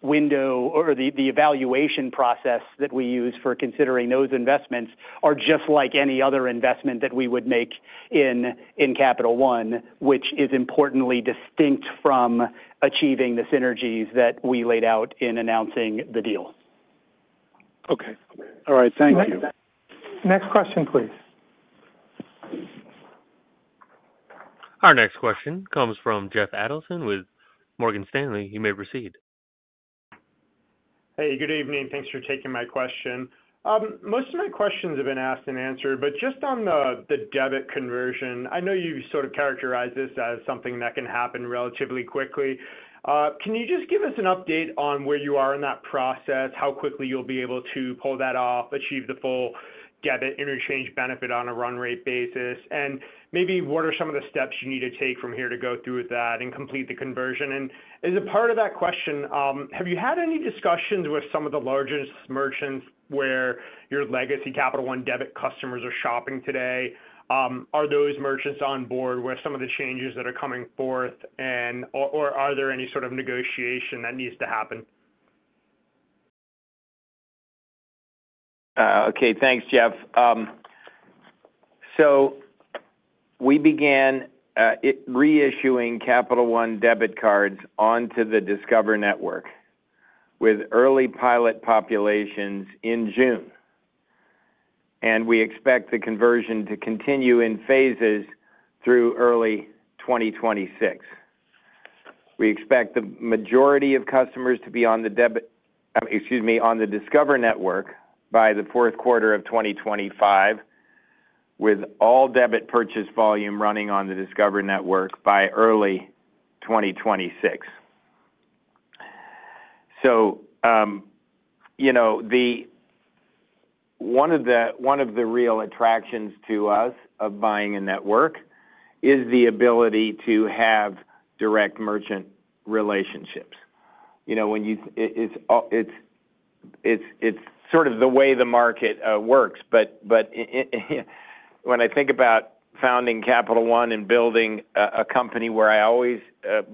The evaluation process that we use for considering those investments are just like any other investment that we would make in Capital One, which is importantly distinct from achieving the synergies that we laid out in announcing the deal. Okay. All right. Thank you. Next question, please. Our next question comes from Jeff Adelson with Morgan Stanley. You may proceed. Hey, good evening. Thanks for taking my question. Most of my questions have been asked and answered. Just on the debit conversion, I know you've sort of characterized this as something that can happen relatively quickly. Can you just give us an update on where you are in that process, how quickly you'll be able to pull that off, achieve the full debit interchange benefit on a run rate basis? Maybe what are some of the steps you need to take from here to go through with that and complete the conversion? As a part of that question, have you had any discussions with some of the largest merchants where your legacy Capital One debit customers are shopping today? Are those merchants on board with some of the changes that are coming forth? Are there any sort of negotiation that needs to happen? Okay. Thanks, Jeff. We began reissuing Capital One debit cards onto the Discover Network with early pilot populations in June. We expect the conversion to continue in phases through early 2026. We expect the majority of customers to be on the Discover Network by the fourth quarter of 2025, with all debit purchase volume running on the Discover Network by early 2026. One of the real attractions to us of buying a network is the ability to have direct merchant relationships. It is sort of the way the market works. When I think about founding Capital One and building a company where I always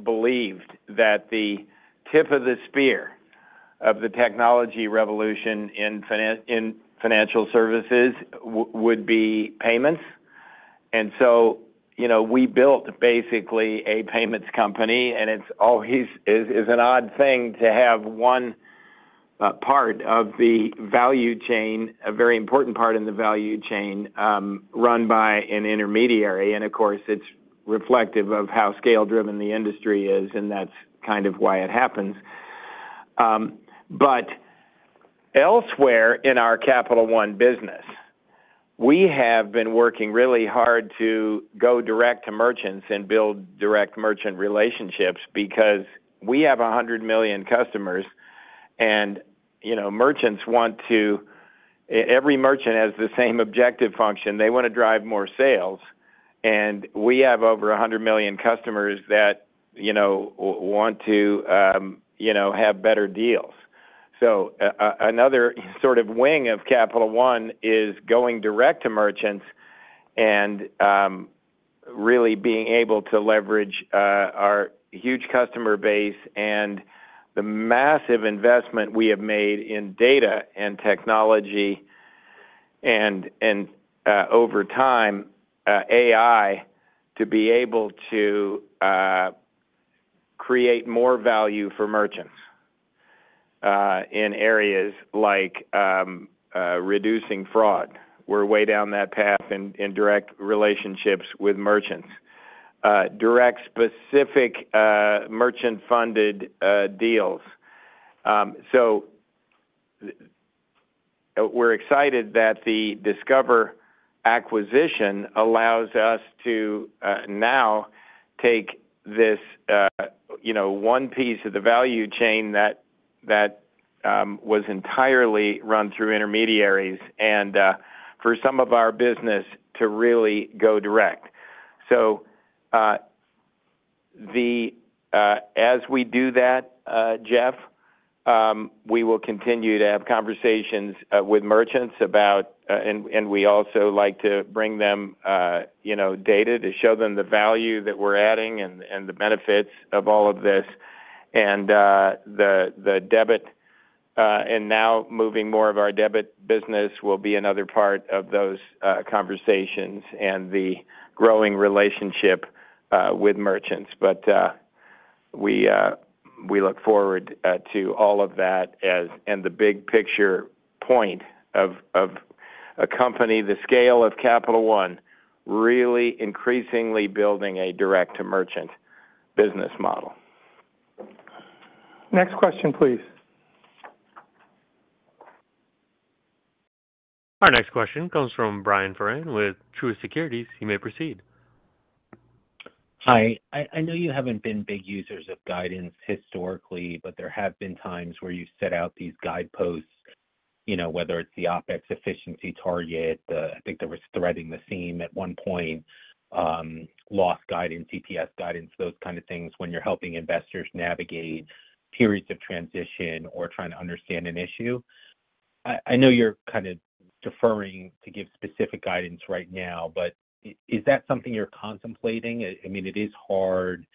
believed that the tip of the spear of the technology revolution in financial services would be payments, we built basically a payments company. It always is an odd thing to have one part of the value chain, a very important part in the value chain, run by an intermediary. Of course, it is reflective of how scale-driven the industry is, and that is kind of why it happens. Elsewhere in our Capital One business, we have been working really hard to go direct to merchants and build direct merchant relationships because we have 100 million customers. Merchants want to—every merchant has the same objective function. They want to drive more sales, and we have over 100 million customers that want to have better deals. Another sort of wing of Capital One is going direct to merchants and really being able to leverage our huge customer base and the massive investment we have made in data and technology. Over time, AI, to be able to create more value for merchants in areas like reducing fraud. We are way down that path in direct relationships with merchants, direct specific merchant-funded deals. We are excited that the Discover acquisition allows us to now take this one piece of the value chain that was entirely run through intermediaries and for some of our business to really go direct. As we do that, Jeff, we will continue to have conversations with merchants about—and we also like to bring them data to show them the value that we are adding and the benefits of all of this. The debit, and now moving more of our debit business, will be another part of those conversations and the growing relationship with merchants. We look forward to all of that and the big picture point of a company the scale of Capital One really increasingly building a direct-to-merchant business model. Next question, please. Our next question comes from Brian Foran with Truist Securities. You may proceed. Hi. I know you have not been big users of guidance historically, but there have been times where you set out these guideposts, whether it is the OpEx efficiency target—I think there was threading the seam at one point—loss guidance, EPS guidance, those kinds of things when you are helping investors navigate periods of transition or trying to understand an issue. I know you are kind of deferring to give specific guidance right now, but is that something you are contemplating? I mean, it is hard.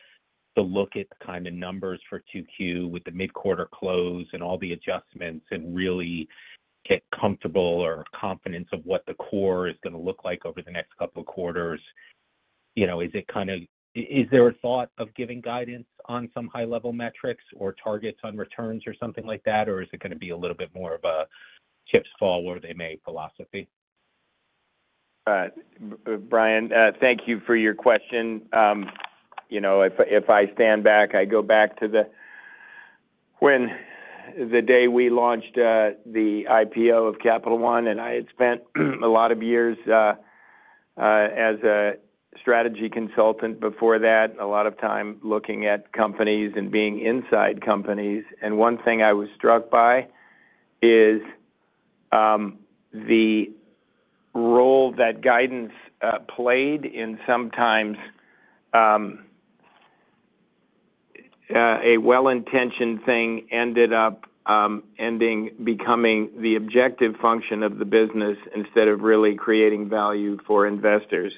To look at the kind of numbers for QQ with the mid-quarter close and all the adjustments and really get comfortable or confidence of what the core is going to look like over the next couple of quarters. Is it kind of— Is there a thought of giving guidance on some high-level metrics or targets on returns or something like that? Or is it going to be a little bit more of a chips fall where they may philosophy? Brian, thank you for your question. If I stand back, I go back to the day we launched the IPO of Capital One. And I had spent a lot of years as a strategy consultant before that, a lot of time looking at companies and being inside companies. One thing I was struck by is the role that guidance played in sometimes a well-intentioned thing ended up becoming the objective function of the business instead of really creating value for investors.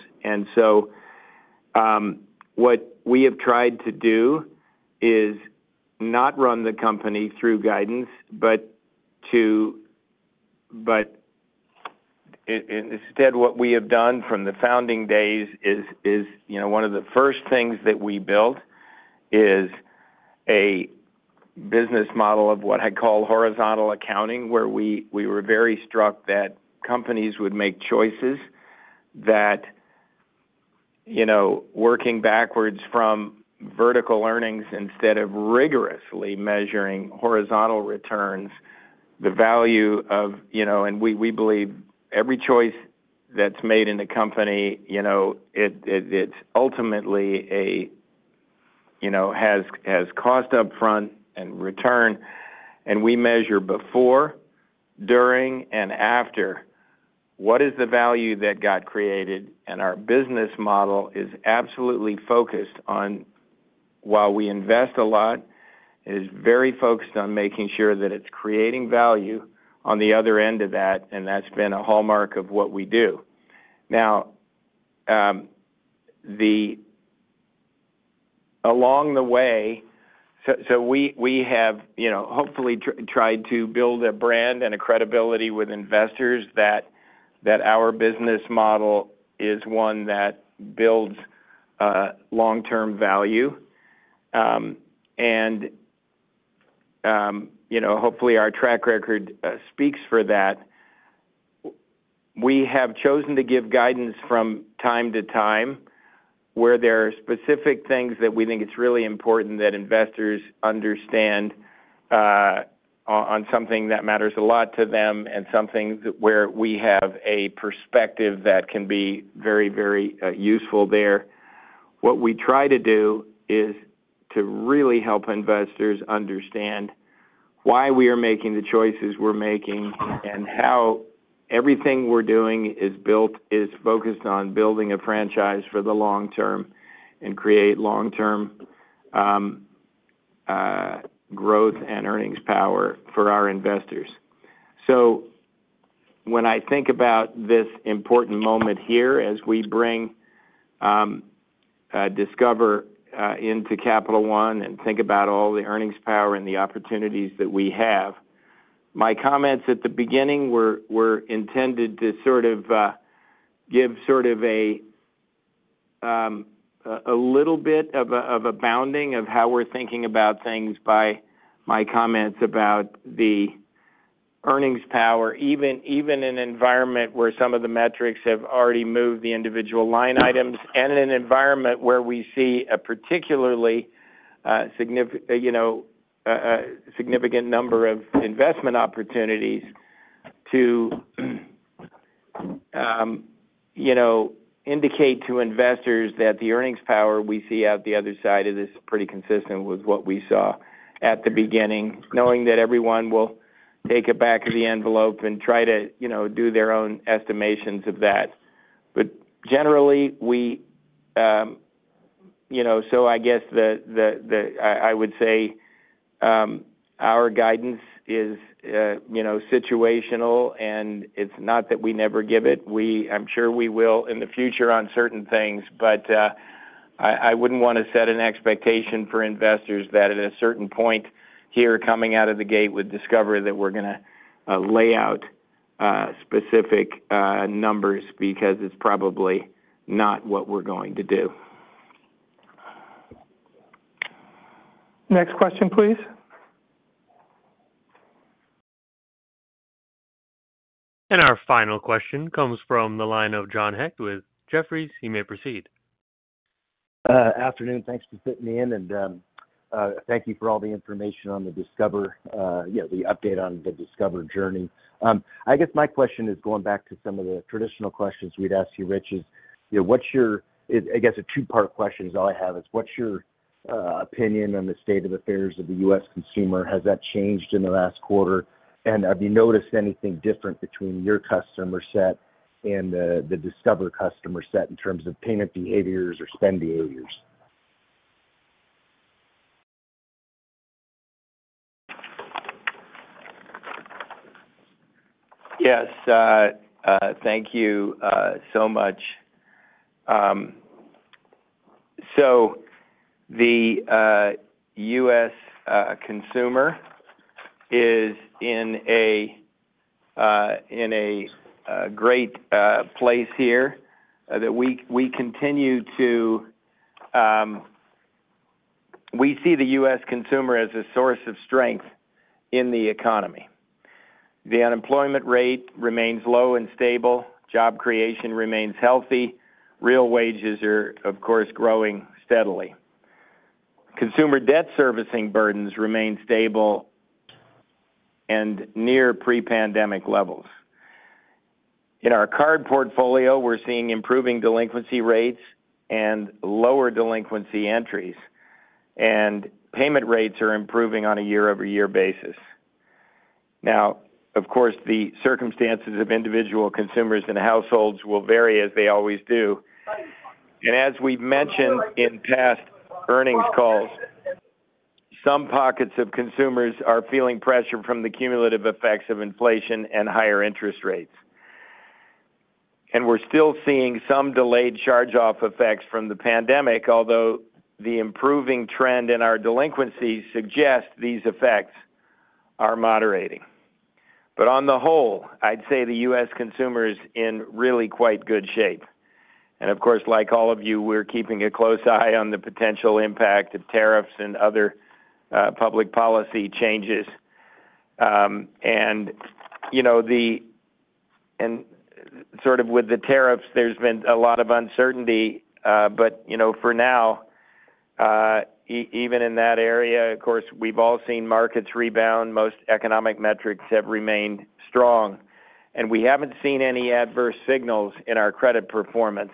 What we have tried to do is not run the company through guidance, but instead, what we have done from the founding days is one of the first things that we built is a business model of what I call horizontal accounting, where we were very struck that companies would make choices that were working backwards from vertical earnings instead of rigorously measuring horizontal returns, the value of— And we believe every choice that's made in the company, it's ultimately a—has cost upfront and return. We measure before, during, and after what is the value that got created. Our business model is absolutely focused on, while we invest a lot, it is very focused on making sure that it's creating value on the other end of that. That's been a hallmark of what we do. Now, along the way, we have hopefully tried to build a brand and a credibility with investors that our business model is one that builds long-term value. Hopefully, our track record speaks for that. We have chosen to give guidance from time to time where there are specific things that we think it's really important that investors understand, on something that matters a lot to them and something where we have a perspective that can be very, very useful there. What we try to do is to really help investors understand why we are making the choices we're making and how everything we're doing is focused on building a franchise for the long term and create long-term growth and earnings power for our investors. When I think about this important moment here as we bring Discover into Capital One and think about all the earnings power and the opportunities that we have, my comments at the beginning were intended to sort of give sort of a little bit of a bounding of how we're thinking about things by my comments about the. Earnings power, even in an environment where some of the metrics have already moved the individual line items, and in an environment where we see a particularly significant number of investment opportunities to indicate to investors that the earnings power we see out the other side of this is pretty consistent with what we saw at the beginning, knowing that everyone will take it back to the envelope and try to do their own estimations of that. Generally, I would say our guidance is situational, and it's not that we never give it. I'm sure we will in the future on certain things. I wouldn't want to set an expectation for investors that at a certain point here coming out of the gate with Discover that we're going to lay out specific numbers because it's probably not what we're going to do. Next question, please. Our final question comes from the line of John Heck with Jeffries. You may proceed. Afternoon. Thanks for fitting me in. Thank you for all the information on the Discover, the update on the Discover journey. I guess my question is going back to some of the traditional questions we'd ask you, Rich, is what's your—I guess a two-part question is all I have—is what's your opinion on the state of affairs of the U.S. consumer? Has that changed in the last quarter? Have you noticed anything different between your customer set and the Discover customer set in terms of payment behaviors or spend behaviors? Yes. Thank you so much. The U.S. consumer is in a great place here that we continue to—we see the U.S. consumer as a source of strength in the economy. The unemployment rate remains low and stable. Job creation remains healthy. Real wages are, of course, growing steadily. Consumer debt servicing burdens remain stable and near pre-pandemic levels. In our card portfolio, we're seeing improving delinquency rates and lower delinquency entries, and payment rates are improving on a year-over-year basis. Of course, the circumstances of individual consumers and households will vary as they always do, and as we've mentioned in past earnings calls. Some pockets of consumers are feeling pressure from the cumulative effects of inflation and higher interest rates, and we're still seeing some delayed charge-off effects from the pandemic, although the improving trend in our delinquency suggests these effects are moderating. On the whole, I'd say the U.S. consumer is in really quite good shape. Of course, like all of you, we're keeping a close eye on the potential impact of tariffs and other public policy changes. With the tariffs, there's been a lot of uncertainty. For now, even in that area, we've all seen markets rebound. Most economic metrics have remained strong, and we haven't seen any adverse signals in our credit performance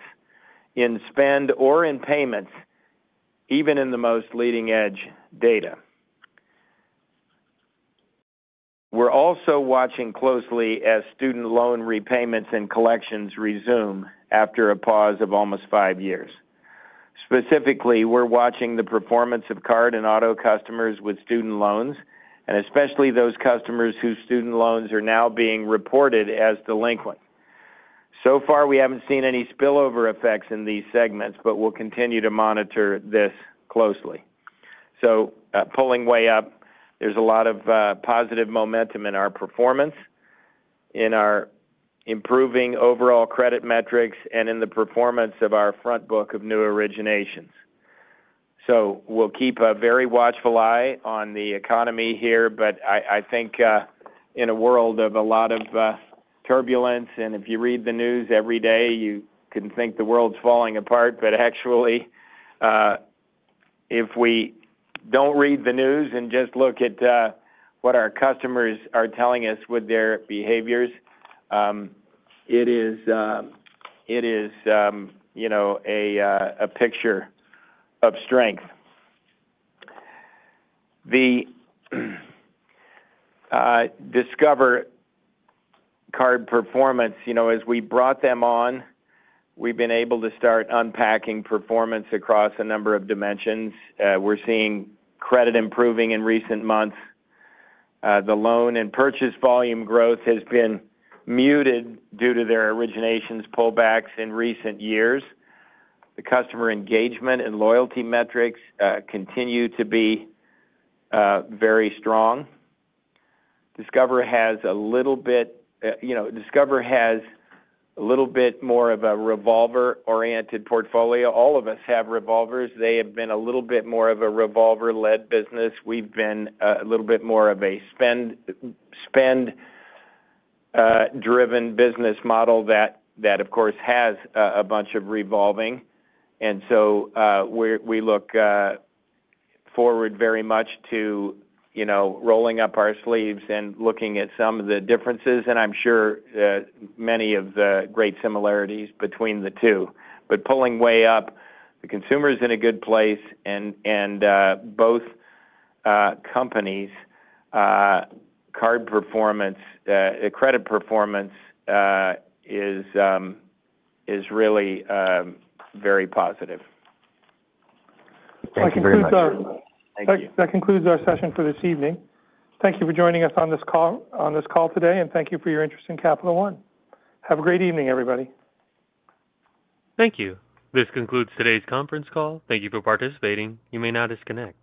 in spend or in payments, even in the most leading-edge data. We're also watching closely as student loan repayments and collections resume after a pause of almost five years. Specifically, we're watching the performance of card and auto customers with student loans, and especially those customers whose student loans are now being reported as delinquent. So far, we haven't seen any spillover effects in these segments, but we'll continue to monitor this closely. Pulling way up, there's a lot of positive momentum in our performance, in our improving overall credit metrics, and in the performance of our front book of new originations. We'll keep a very watchful eye on the economy here. I think in a world of a lot of turbulence, and if you read the news every day, you can think the world's falling apart. Actually, if we don't read the news and just look at what our customers are telling us with their behaviors, it is a picture of strength. The Discover card performance, as we brought them on, we've been able to start unpacking performance across a number of dimensions. We're seeing credit improving in recent months. The loan and purchase volume growth has been muted due to their originations pullbacks in recent years. The customer engagement and loyalty metrics continue to be very strong. Discover has a little bit more of a revolver-oriented portfolio. All of us have revolvers. They have been a little bit more of a revolver-led business. We've been a little bit more of a spend-driven business model that, of course, has a bunch of revolving. We look forward very much to rolling up our sleeves and looking at some of the differences, and I'm sure many of the great similarities between the two. Pulling way up, the consumer is in a good place. Both companies' card performance, credit performance, is really very positive. Thank you very much. Thank you. That concludes our session for this evening. Thank you for joining us on this call today. Thank you for your interest in Capital One. Have a great evening, everybody. Thank you. This concludes today's conference call. Thank you for participating. You may now disconnect.